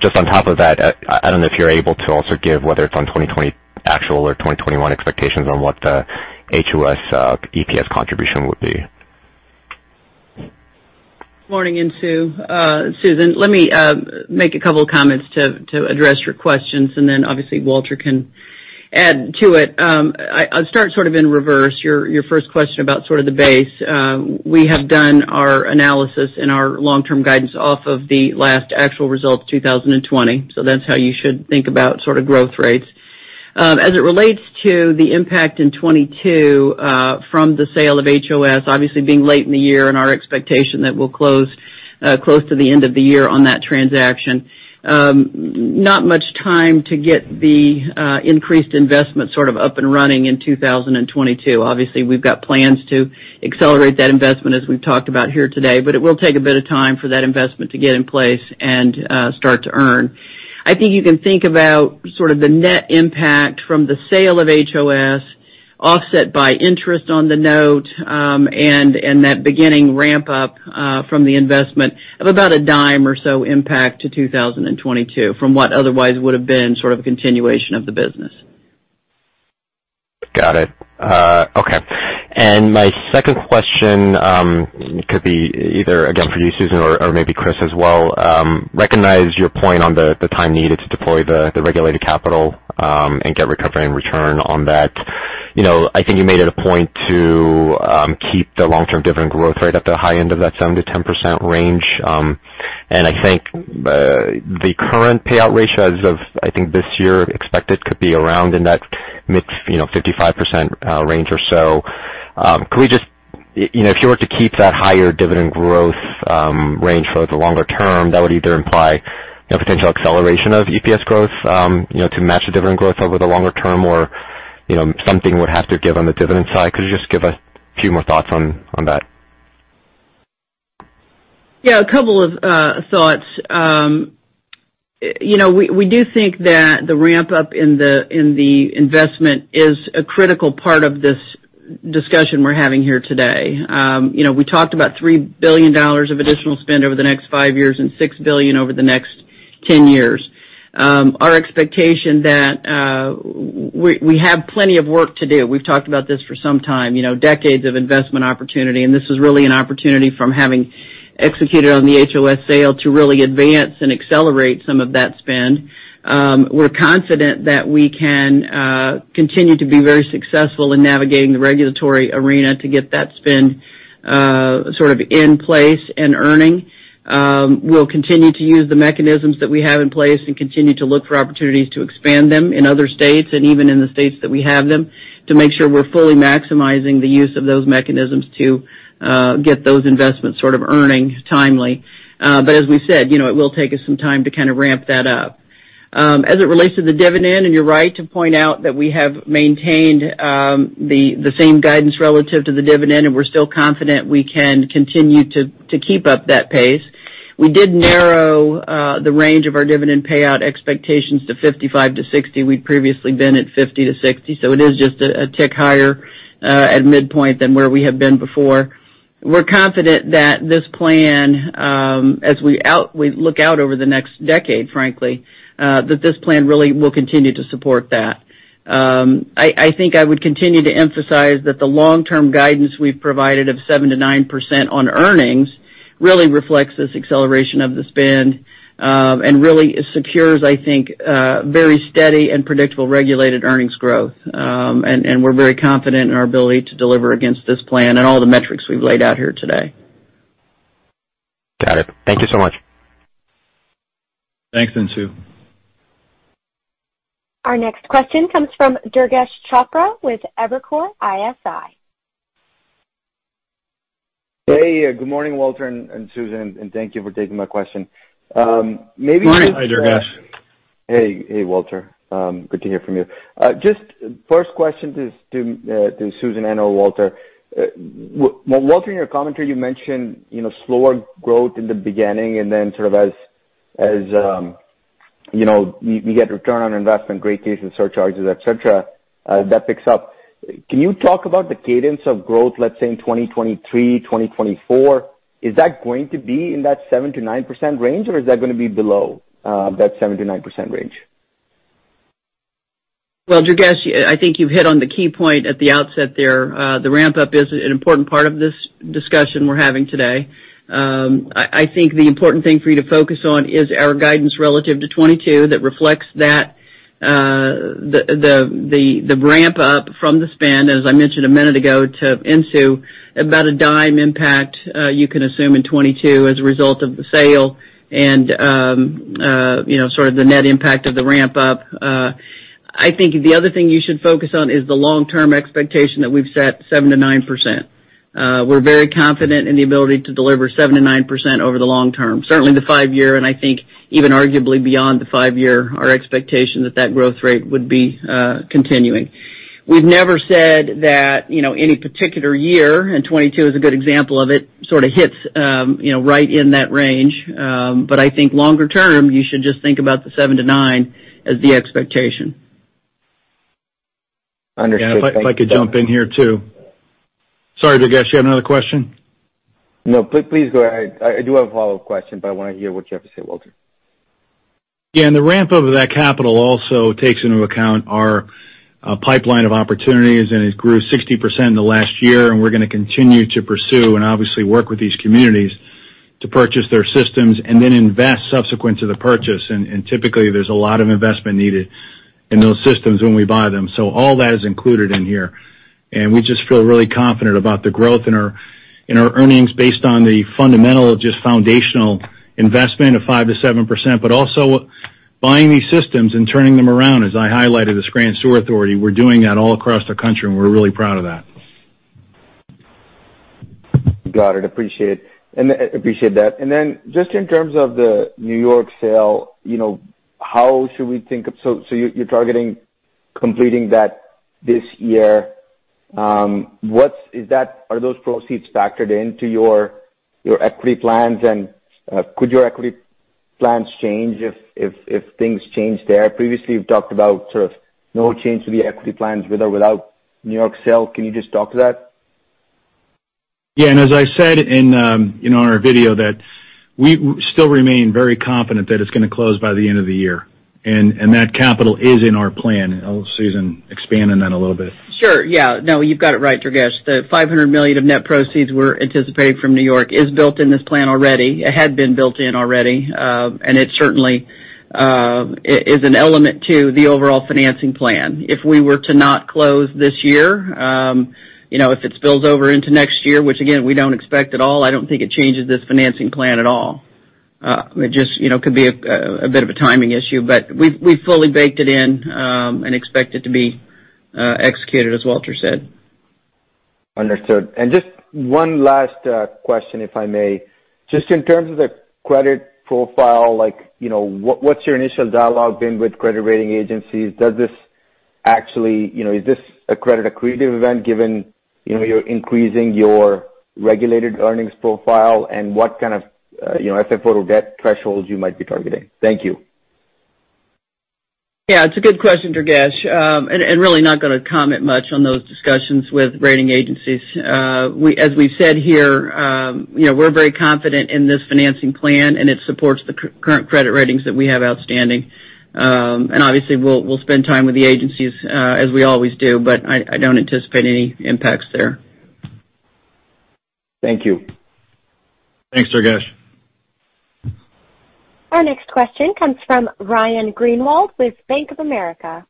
Just on top of that, I don't know if you're able to also give whether it's on 2020 actual or 2021 expectations on what the HOS EPS contribution would be? Morning, Insoo, Susan. Let me make a couple of comments to address your questions, and then obviously Walter can add to it. I'll start sort of in reverse. Your first question about sort of the base. We have done our analysis and our long-term guidance off of the last actual results, 2020, so that's how you should think about sort of growth rates. As it relates to the impact in 2022 from the sale of HOS, obviously being late in the year and our expectation that we'll close close to the end of the year on that transaction. Not much time to get the increased investment sort of up and running in 2022. Obviously, we've got plans to accelerate that investment, as we've talked about here today, but it will take a bit of time for that investment to get in place and start to earn. I think you can think about sort of the net impact from the sale of HOS offset by interest on the note, and that beginning ramp-up from the investment of about a dime or so impact to 2022 from what otherwise would have been sort of a continuation of the business. Got it. Okay. My second question could be either again for you, Susan, or maybe Chris as well. Recognize your point on the time needed to deploy the regulated capital and get recovery and return on that. You know, I think you made it a point to keep the long-term dividend growth rate at the high end of that 7%-10% range. I think the current payout ratio as of this year expected could be around in that mid, you know, 55% range or so. Could we just, you know, if you were to keep that higher dividend growth range for the longer term, that would either imply a potential acceleration of EPS growth, you know, to match the dividend growth over the longer term or, you know, something would have to give on the dividend side. Could you just give a few more thoughts on that? Yeah, a couple of thoughts. You know, we do think that the ramp-up in the investment is a critical part of this discussion we're having here today. You know, we talked about $3 billion of additional spend over the next five years and $6 billion over the next 10 years. Our expectation that we have plenty of work to do. We've talked about this for some time, you know, decades of investment opportunity, and this is really an opportunity from having executed on the HOS sale to really advance and accelerate some of that spend. We're confident that we can continue to be very successful in navigating the regulatory arena to get that spend sort of in place and earning. We'll continue to use the mechanisms that we have in place and continue to look for opportunities to expand them in other states and even in the states that we have them to make sure we're fully maximizing the use of those mechanisms to get those investments sort of earning timely. As it relates to the dividend, you're right to point out that we have maintained the same guidance relative to the dividend, and we're still confident we can continue to keep up that pace. We did narrow the range of our dividend payout expectations to 55%-60%. We'd previously been at 50%-60%, so it is just a tick higher at midpoint than where we have been before. We're confident that this plan, as we look out over the next decade, frankly, that this plan really will continue to support that. I think I would continue to emphasize that the long-term guidance we've provided of 7%-9% on earnings really reflects this acceleration of the spend, and really secures, I think, very steady and predictable regulated earnings growth. We're very confident in our ability to deliver against this plan and all the metrics we've laid out here today. Got it. Thank you so much. Thanks, Insoo. Our next question comes from Durgesh Chopra with Evercore ISI. Hey, good morning, Walter and Susan, and thank you for taking my question. Maybe. Morning. Hi, Durgesh. Hey. Hey, Walter. Good to hear from you. Just first question to Susan and/or Walter. Well, Walter, in your commentary, you mentioned, you know, slower growth in the beginning and then sort of as, you know, you get return on investment, rate cases, surcharges, et cetera, that picks up. Can you talk about the cadence of growth, let's say, in 2023, 2024? Is that going to be in that 7%-9% range, or is that gonna be below that 7%-9% range? Well, Durgesh, I think you hit on the key point at the outset there. The ramp-up is an important part of this discussion we're having today. I think the important thing for you to focus on is our guidance relative to 2022 that reflects that, the ramp-up from the spend, as I mentioned a minute ago, to Insoo, about a dime impact, you can assume in 2022 as a result of the sale and, you know, sort of the net impact of the ramp-up. I think the other thing you should focus on is the long-term expectation that we've set 7%-9%. We're very confident in the ability to deliver 7%-9% over the long term. Certainly, the five-year, and I think even arguably beyond the five year, our expectation that that growth rate would be continuing. We've never said that, you know, any particular year, and 2022 is a good example of it, sort of hits, you know, right in that range. I think longer term, you should just think about the 7%-9% as the expectation. Understood. Thank you. Yeah. If I could jump in here too. Sorry, Durgesh, you had another question? No. Please go ahead. I do have a follow-up question, but I wanna hear what you have to say, Walter. Yeah. The ramp-up of that capital also takes into account our pipeline of opportunities, and it grew 60% in the last year, and we're gonna continue to pursue and obviously work with these communities to purchase their systems and then invest subsequent to the purchase. Typically, there's a lot of investment needed in those systems when we buy them. All that is included in here. We just feel really confident about the growth in our earnings based on the fundamental, just foundational investment of 5%-7%. Also buying these systems and turning them around, as I highlighted with Scranton Sewer Authority, we're doing that all across the country, and we're really proud of that. Got it. Appreciate that. Just in terms of the New York sale, you know, how should we think of, so you're targeting completing that this year. Are those proceeds factored into your equity plans? Could your equity plans change if things change there? Previously, you've talked about sort of no change to the equity plans with or without New York sale. Can you just talk to that? Yeah. As I said in, you know, our video, we still remain very confident that it's gonna close by the end of the year. That capital is in our plan. I'll let Susan expand on that a little bit. Sure, yeah. No, you've got it right, Durgesh. The $500 million of net proceeds we're anticipating from New York is built in this plan already. It had been built in already. It certainly is an element to the overall financing plan. If we were to not close this year, you know, if it spills over into next year, which again, we don't expect at all, I don't think it changes this financing plan at all. It just, you know, could be a bit of a timing issue, but we've fully baked it in and expect it to be executed, as Walter said. Understood. Just one last question, if I may. Just in terms of the credit profile, like, you know, what's your initial dialogue been with credit rating agencies? Does this actually, you know, is this a credit accretive event given, you know, you're increasing your regulated earnings profile and what kind of, you know, FFO to total debt thresholds you might be targeting? Thank you. Yeah, it's a good question, Durgesh. Really not gonna comment much on those discussions with rating agencies. As we said here, you know, we're very confident in this financing plan, and it supports the current credit ratings that we have outstanding. Obviously, we'll spend time with the agencies, as we always do, but I don't anticipate any impacts there. Thank you. Thanks, Durgesh. Our next question comes from Ryan Greenwald with Bank of America.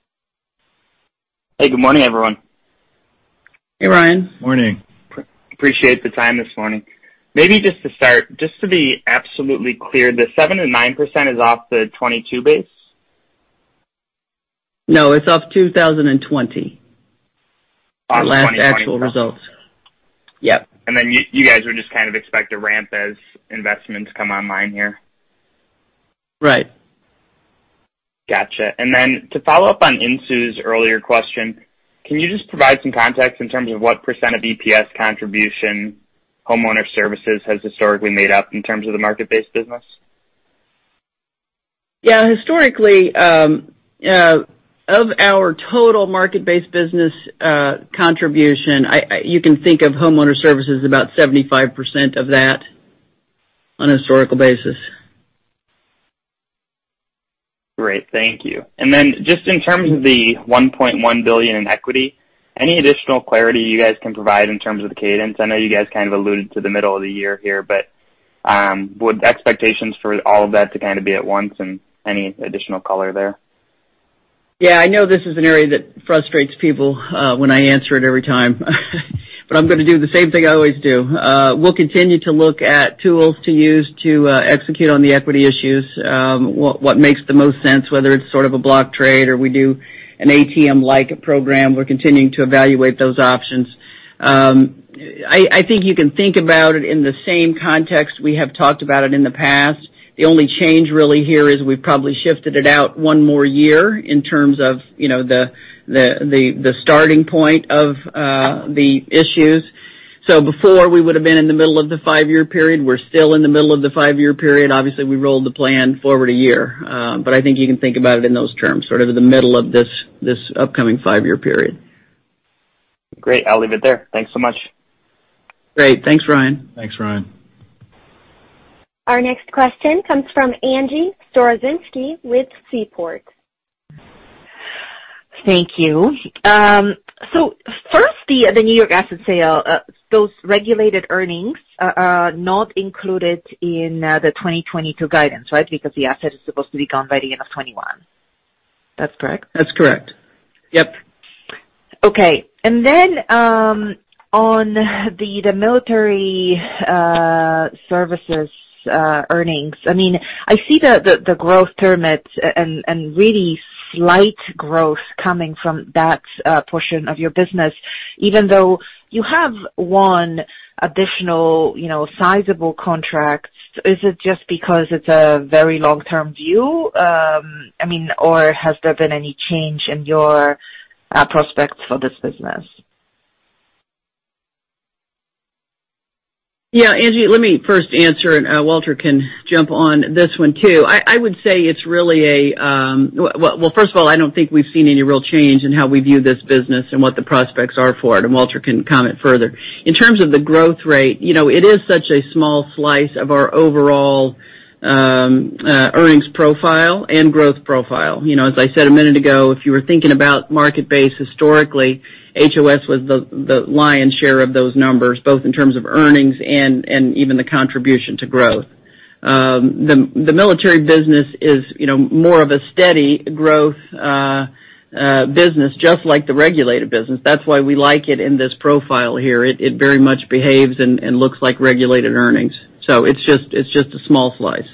Hey, good morning, everyone. Hey, Ryan. Morning. Appreciate the time this morning. Maybe just to start, just to be absolutely clear, the 7%-9% is off the 2022 base? No, it's off 2020. Off 2020. The last actual results. Yep. You guys would just kind of expect to ramp as investments come online here? Right. Gotcha. To follow up on Insoo's earlier question, can you just provide some context in terms of what percent of EPS contribution Homeowner Services has historically made up in terms of the market-based business? Yeah. Historically, of our total market-based business contribution, you can think of Homeowner Services about 75% of that on a historical basis. Great. Thank you. Just in terms of the $1.1 billion in equity, any additional clarity you guys can provide in terms of the cadence? I know you guys kind of alluded to the middle of the year here, but would expectations for all of that to kind of be at once and any additional color there? Yeah, I know this is an area that frustrates people when I answer it every time, but I'm gonna do the same thing I always do. We'll continue to look at tools to use to execute on the equity issues. What makes the most sense, whether it's sort of a block trade or we do an ATM-like program, we're continuing to evaluate those options. I think you can think about it in the same context we have talked about it in the past. The only change really here is we probably shifted it out one more year in terms of you know the starting point of the issues. Before we would have been in the middle of the five-year period, we're still in the middle of the five-year period. Obviously, we rolled the plan forward a year, but I think you can think about it in those terms, sort of in the middle of this upcoming five-year period. Great. I'll leave it there. Thanks so much. Great. Thanks, Ryan. Thanks, Ryan. Our next question comes from Angie Storozynski with Seaport. Thank you. First, the New York asset sale, those regulated earnings are not included in the 2022 guidance, right? Because the asset is supposed to be gone by the end of 2021. That's correct? That's correct. Yep. Okay. On the Military Services earnings, I mean, I see the growth from it and really slight growth coming from that portion of your business, even though you have one additional, you know, sizable contract. Is it just because it's a very long-term view? I mean, or has there been any change in your prospects for this business? Yeah, Angie, let me first answer, and Walter can jump on this one too. I would say it's really a well, first of all, I don't think we've seen any real change in how we view this business and what the prospects are for it, and Walter can comment further. In terms of the growth rate, you know, it is such a small slice of our overall earnings profile and growth profile. You know, as I said a minute ago, if you were thinking about market-based historically, HOS was the lion's share of those numbers, both in terms of earnings and even the contribution to growth. The military business is, you know, more of a steady growth business, just like the regulated business. That's why we like it in this profile here. It very much behaves and looks like regulated earnings. It's just a small slice.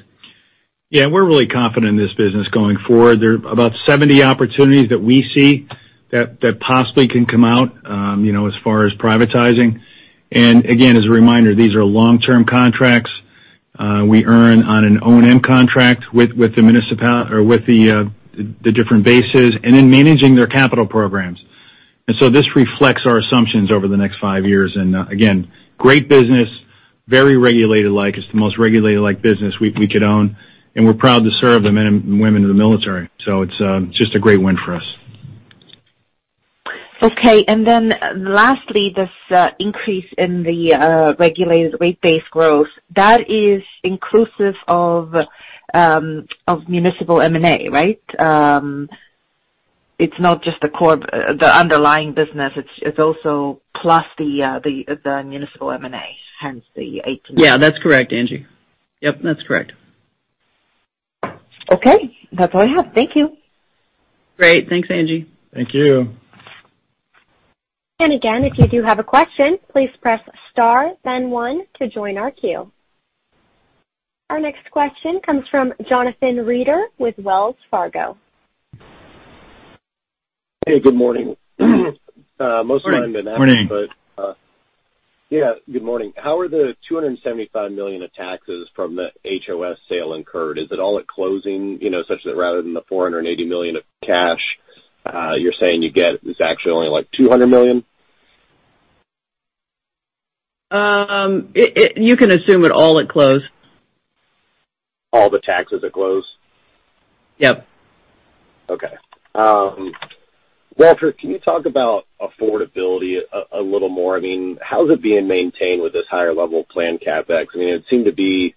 Yeah. We're really confident in this business going forward. There are about 70 opportunities that we see that possibly can come out, you know, as far as privatizing. Again, as a reminder, these are long-term contracts. We earn on an O&M contract with the different bases and in managing their capital programs. This reflects our assumptions over the next five years. Again, great business, very regulated-like. It's the most regulated-like business we could own, and we're proud to serve the men and women in the military. It's just a great win for us. Okay. Then lastly, this increase in the regulated rate-based growth, that is inclusive of municipal M&A, right? It's not just the underlying business, it's also plus the municipal M&A, hence the- Yeah, that's correct, Angie. Yep, that's correct. Okay. That's all I have. Thank you. Great. Thanks, Angie. Thank you. Again, if you do have a question, please press star then one to join our queue. Our next question comes from Jonathan Reeder with Wells Fargo. Hey, good morning. Most of mine have been asked, but, Morning. Yeah. Good morning. How are the $275 million of taxes from the HOS sale incurred? Is it all at closing, you know, such that rather than the $480 million of cash you're saying you get is actually only, like, $200 million? You can assume it all at close. All the taxes at close? Yep. Okay. Walter, can you talk about affordability a little more? I mean, how is it being maintained with this higher level planned CapEx? I mean, it seemed to be,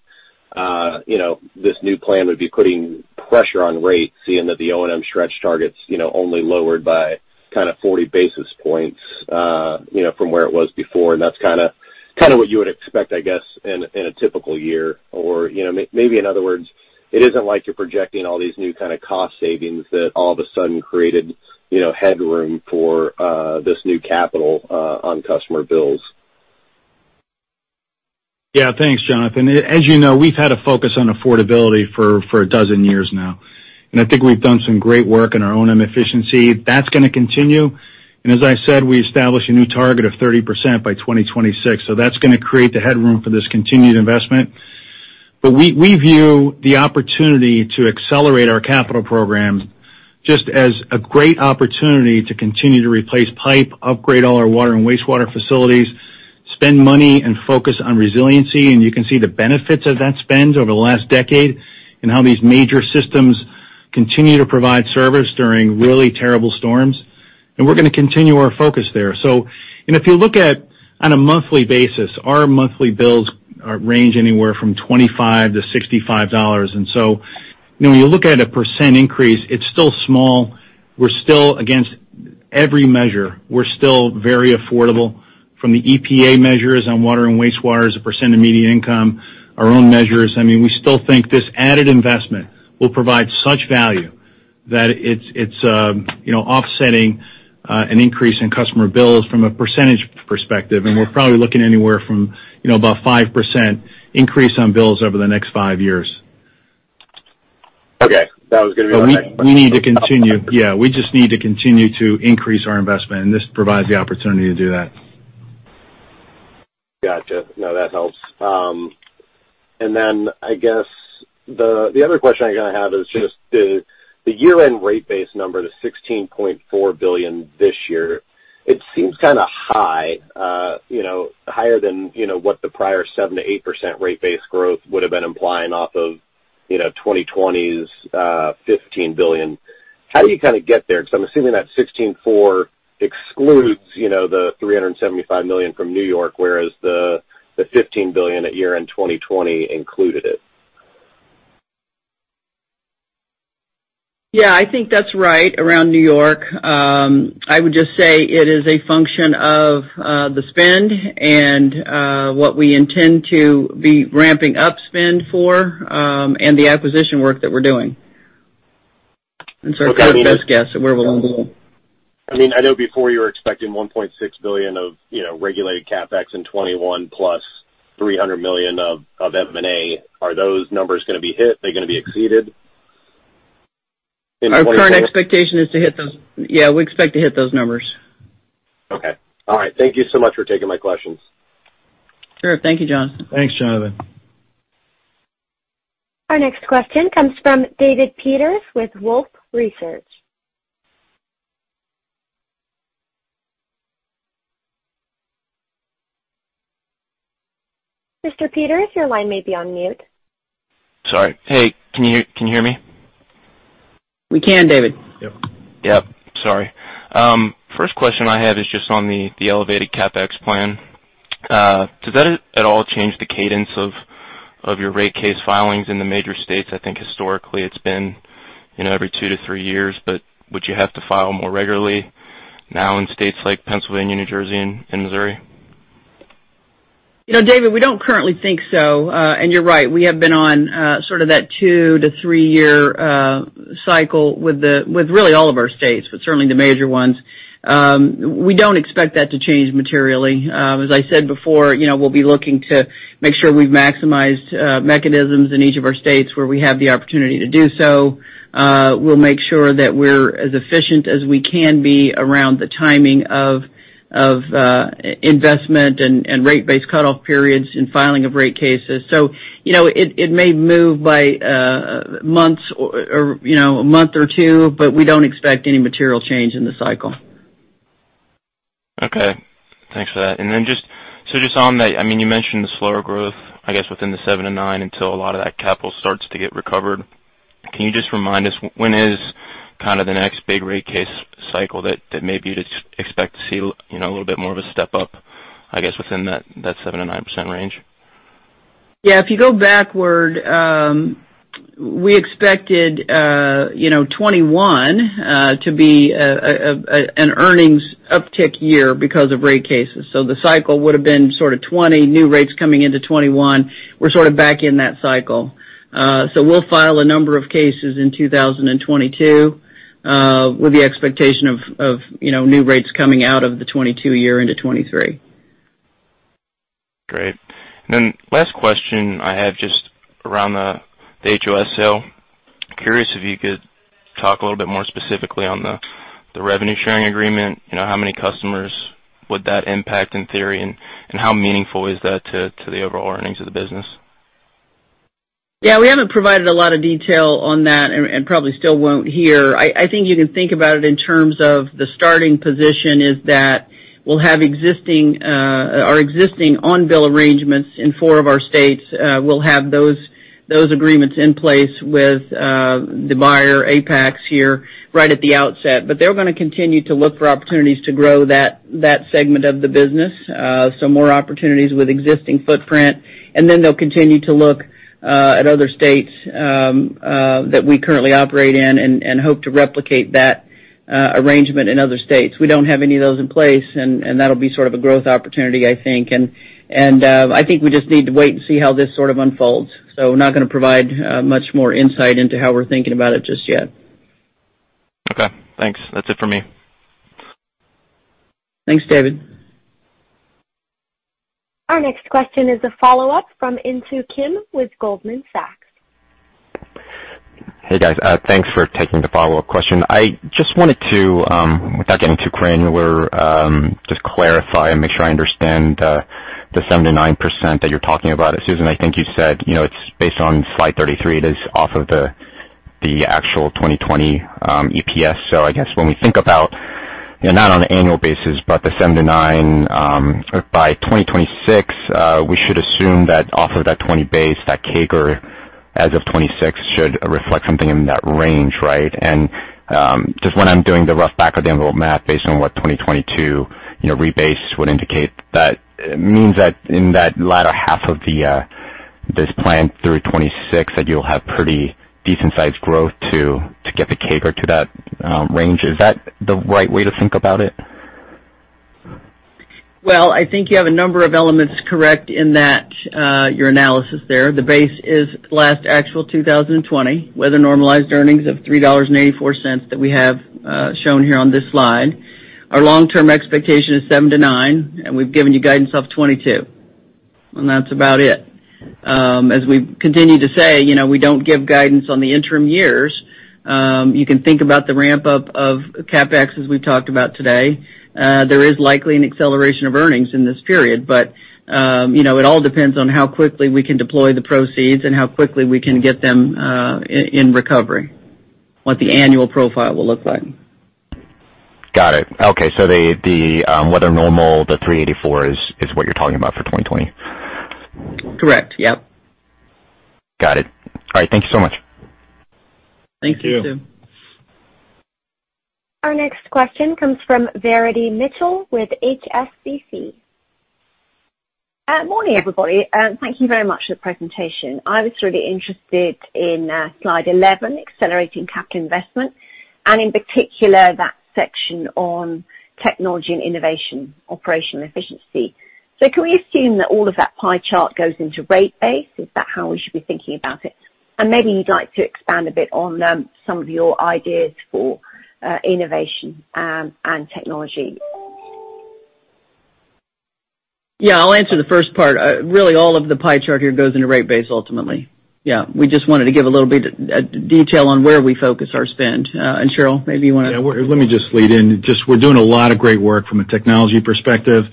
you know, this new plan would be putting pressure on rates, seeing that the O&M stretch targets, you know, only lowered by kind of 40 basis points, you know, from where it was before. That's kinda what you would expect, I guess, in a typical year or, you know, maybe in other words, it isn't like you're projecting all these new kind of cost savings that all of a sudden created, you know, headroom for this new capital on customer bills. Yeah. Thanks, Jonathan. As you know, we've had a focus on affordability for a dozen years now, and I think we've done some great work in our O&M efficiency. That's gonna continue. As I said, we established a new target of 30% by 2026. That's gonna create the headroom for this continued investment. We view the opportunity to accelerate our capital programs just as a great opportunity to continue to replace pipe, upgrade all our water and wastewater facilities, spend money and focus on resiliency. You can see the benefits of that spend over the last decade and how these major systems continue to provide service during really terrible storms. We're gonna continue our focus there. If you look at, on a monthly basis, our monthly bills range anywhere from $25-$65. You know, when you look at a percent increase, it's still small. We're still against every measure. We're still very affordable from the EPA measures on water and wastewater as a percent of median income, our own measures. I mean, we still think this added investment will provide such value that it's offsetting an increase in customer bills from a percentage perspective. We're probably looking anywhere from, you know, about 5% increase on bills over the next five years. Okay. That was gonna be my next question. We need to continue. Yeah, we just need to continue to increase our investment, and this provides the opportunity to do that. Gotcha. No, that helps. I guess the other question I have is just the year-end rate base number, the $16.4 billion this year. It seems kinda high, you know, higher than what the prior 7%-8% rate base growth would have been implying off of 2020's $15 billion. How do you kinda get there? Because I'm assuming that $16.4 excludes the $375 million from New York, whereas the $15 billion at year-end 2020 included it. Yeah, I think that's right around New York. I would just say it is a function of the spend and what we intend to be ramping up spend for and the acquisition work that we're doing. That's our best guess at where we're gonna be. I mean, I know before you were expecting $1.6 billion of, you know, regulated CapEx in 2021 plus $300 million of M&A. Are those numbers gonna be hit? Are they gonna be exceeded? Our current expectation is to hit those. Yeah, we expect to hit those numbers. Okay, all right. Thank you so much for taking my questions. Sure. Thank you, John. Thanks, Jonathan. Our next question comes from David Peters with Wolfe Research. Mr. Peters, your line may be on mute. Sorry. Hey, can you hear me? We can, David. Yep. Yep, sorry. First question I have is just on the elevated CapEx plan. Does that at all change the cadence of your rate case filings in the major states? I think historically it's been, you know, every two to three years, but would you have to file more regularly now in states like Pennsylvania, New Jersey, and Missouri? You know, David, we don't currently think so. You're right, we have been on sort of that two to three-year cycle with really all of our states, but certainly the major ones. We don't expect that to change materially. As I said before, you know, we'll be looking to make sure we've maximized mechanisms in each of our states where we have the opportunity to do so. We'll make sure that we're as efficient as we can be around the timing of investment and rate-based cutoff periods and filing of rate cases. You know, it may move by months or a month or two, but we don't expect any material change in the cycle. Okay. Thanks for that. Just, so just on that, I mean, you mentioned the slower growth, I guess, within the 7%-9% until a lot of that capital starts to get recovered. Can you just remind us when is kind of the next big rate case cycle that maybe you'd expect to see, you know, a little bit more of a step up, I guess, within that 7%-9% range? Yeah. If you go backward, we expected 2021 to be an earnings uptick year because of rate cases. The cycle would have been sort of 2020 new rates coming into 2021. We're sort of back in that cycle. We'll file a number of cases in 2022 with the expectation of new rates coming out of the 2022 year into 2023. Great. Last question I have just around the HOS sale. Curious if you could talk a little bit more specifically on the revenue sharing agreement. You know, how many customers would that impact in theory, and how meaningful is that to the overall earnings of the business? Yeah, we haven't provided a lot of detail on that and probably still won't here. I think you can think about it in terms of the starting position is that we'll have our existing on-bill arrangements in four of our states. We'll have those agreements in place with the buyer, Apax here, right at the outset. They're gonna continue to look for opportunities to grow that segment of the business, so more opportunities with existing footprint. Then they'll continue to look at other states that we currently operate in and hope to replicate that arrangement in other states. We don't have any of those in place, and that'll be sort of a growth opportunity, I think. I think we just need to wait and see how this sort of unfolds. We're not gonna provide much more insight into how we're thinking about it just yet. Okay. Thanks. That's it for me. Thanks, David. Our next question is a follow-up from Insoo Kim with Goldman Sachs. Hey, guys. Thanks for taking the follow-up question. I just wanted to, without getting too granular, just clarify and make sure I understand the 7%-9% that you're talking about. Susan, I think you said, you know, it's based on slide 33, it is off of the actual 2020 EPS. I guess when we think about, you know, not on an annual basis, but the 7%-9%, by 2026, we should assume that off of that 2020 base, that CAGR as of 2026 should reflect something in that range, right? Just when I'm doing the rough back of the envelope math based on what 2022, you know, rebase would indicate, that means that in that latter half of this plan through 2026, that you'll have pretty decent sized growth to get the CAGR to that range. Is that the right way to think about it? Well, I think you have a number of elements correct in that, your analysis there. The base is last actual 2020, weather normalized earnings of $3.94 that we have shown here on this slide. Our long-term expectation is 7%-9%, and we've given you guidance of 2022, and that's about it. As we've continued to say, you know, we don't give guidance on the interim years. You can think about the ramp up of CapEx as we've talked about today. There is likely an acceleration of earnings in this period, but, you know, it all depends on how quickly we can deploy the proceeds and how quickly we can get them in recovery, what the annual profile will look like. Got it. Okay. The weather-normalized $3.84 is what you're talking about for 2020. Correct. Yep. Got it. All right. Thank you so much. Thank you, Kim. Our next question comes from Verity Mitchell with HSBC. Morning, everybody, and thank you very much for the presentation. I was really interested in slide 11, accelerating capital investment, and in particular that section on technology and innovation, operational efficiency. Can we assume that all of that pie chart goes into rate base? Is that how we should be thinking about it? Maybe you'd like to expand a bit on some of your ideas for innovation and technology. Yeah, I'll answer the first part. Really, all of the pie chart here goes into rate base ultimately. Yeah, we just wanted to give a little bit of detail on where we focus our spend. Cheryl, maybe you wanna? Yeah. Let me just lead in. Just we're doing a lot of great work from a technology perspective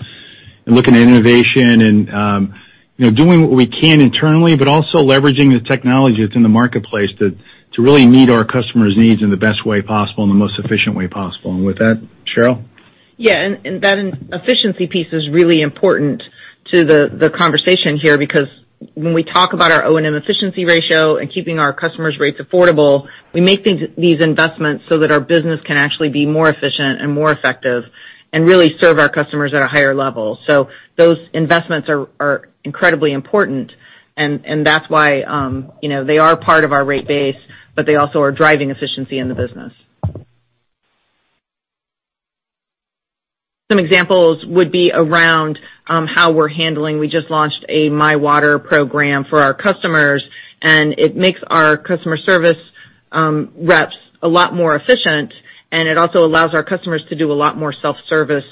and looking at innovation and, you know, doing what we can internally, but also leveraging the technology that's in the marketplace to really meet our customers' needs in the best way possible and the most efficient way possible. With that, Cheryl? Yeah. That efficiency piece is really important to the conversation here, because when we talk about our O&M efficiency ratio and keeping our customers' rates affordable, we make these investments so that our business can actually be more efficient and more effective and really serve our customers at a higher level. Those investments are incredibly important and that's why, you know, they are part of our rate base, but they also are driving efficiency in the business. Some examples would be around how we're handling. We just launched a MyWater program for our customers, and it makes our customer service reps a lot more efficient, and it also allows our customers to do a lot more self-service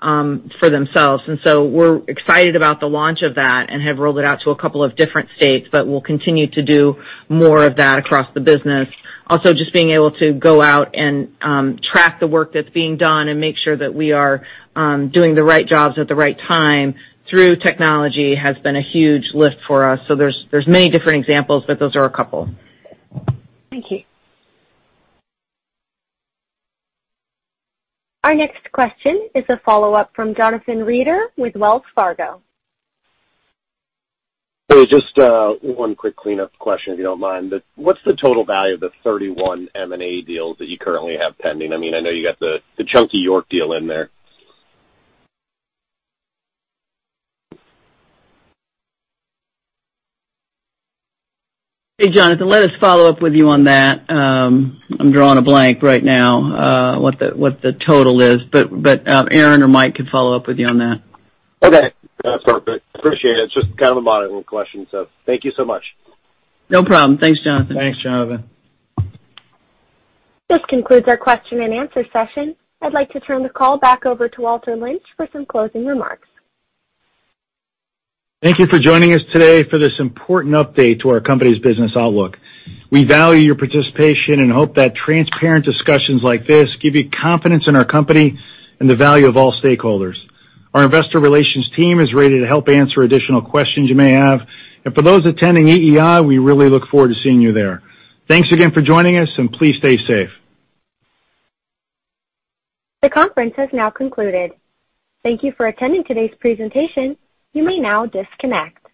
for themselves. We're excited about the launch of that and have rolled it out to a couple of different states, but we'll continue to do more of that across the business. Also, just being able to go out and track the work that's being done and make sure that we are doing the right jobs at the right time through technology has been a huge lift for us. There's many different examples, but those are a couple. Thank you. Our next question is a follow-up from Jonathan Reeder with Wells Fargo. Hey, just one quick cleanup question, if you don't mind. What's the total value of the 31 M&A deals that you currently have pending? I mean, I know you got the chunky York deal in there. Hey, Jonathan, let us follow up with you on that. I'm drawing a blank right now, what the total is, but Aaron or Mike could follow up with you on that. Okay. That's perfect. Appreciate it. It's just kind of a modeling question. Thank you so much. No problem. Thanks, Jonathan. This concludes our question and answer session. I'd like to turn the call back over to Walter Lynch for some closing remarks. Thank you for joining us today for this important update to our company's business outlook. We value your participation and hope that transparent discussions like this give you confidence in our company and the value of all stakeholders. Our Investor Relations team is ready to help answer additional questions you may have. For those attending EEI, we really look forward to seeing you there. Thanks again for joining us, and please stay safe. The conference has now concluded. Thank you for attending today's presentation. You may now disconnect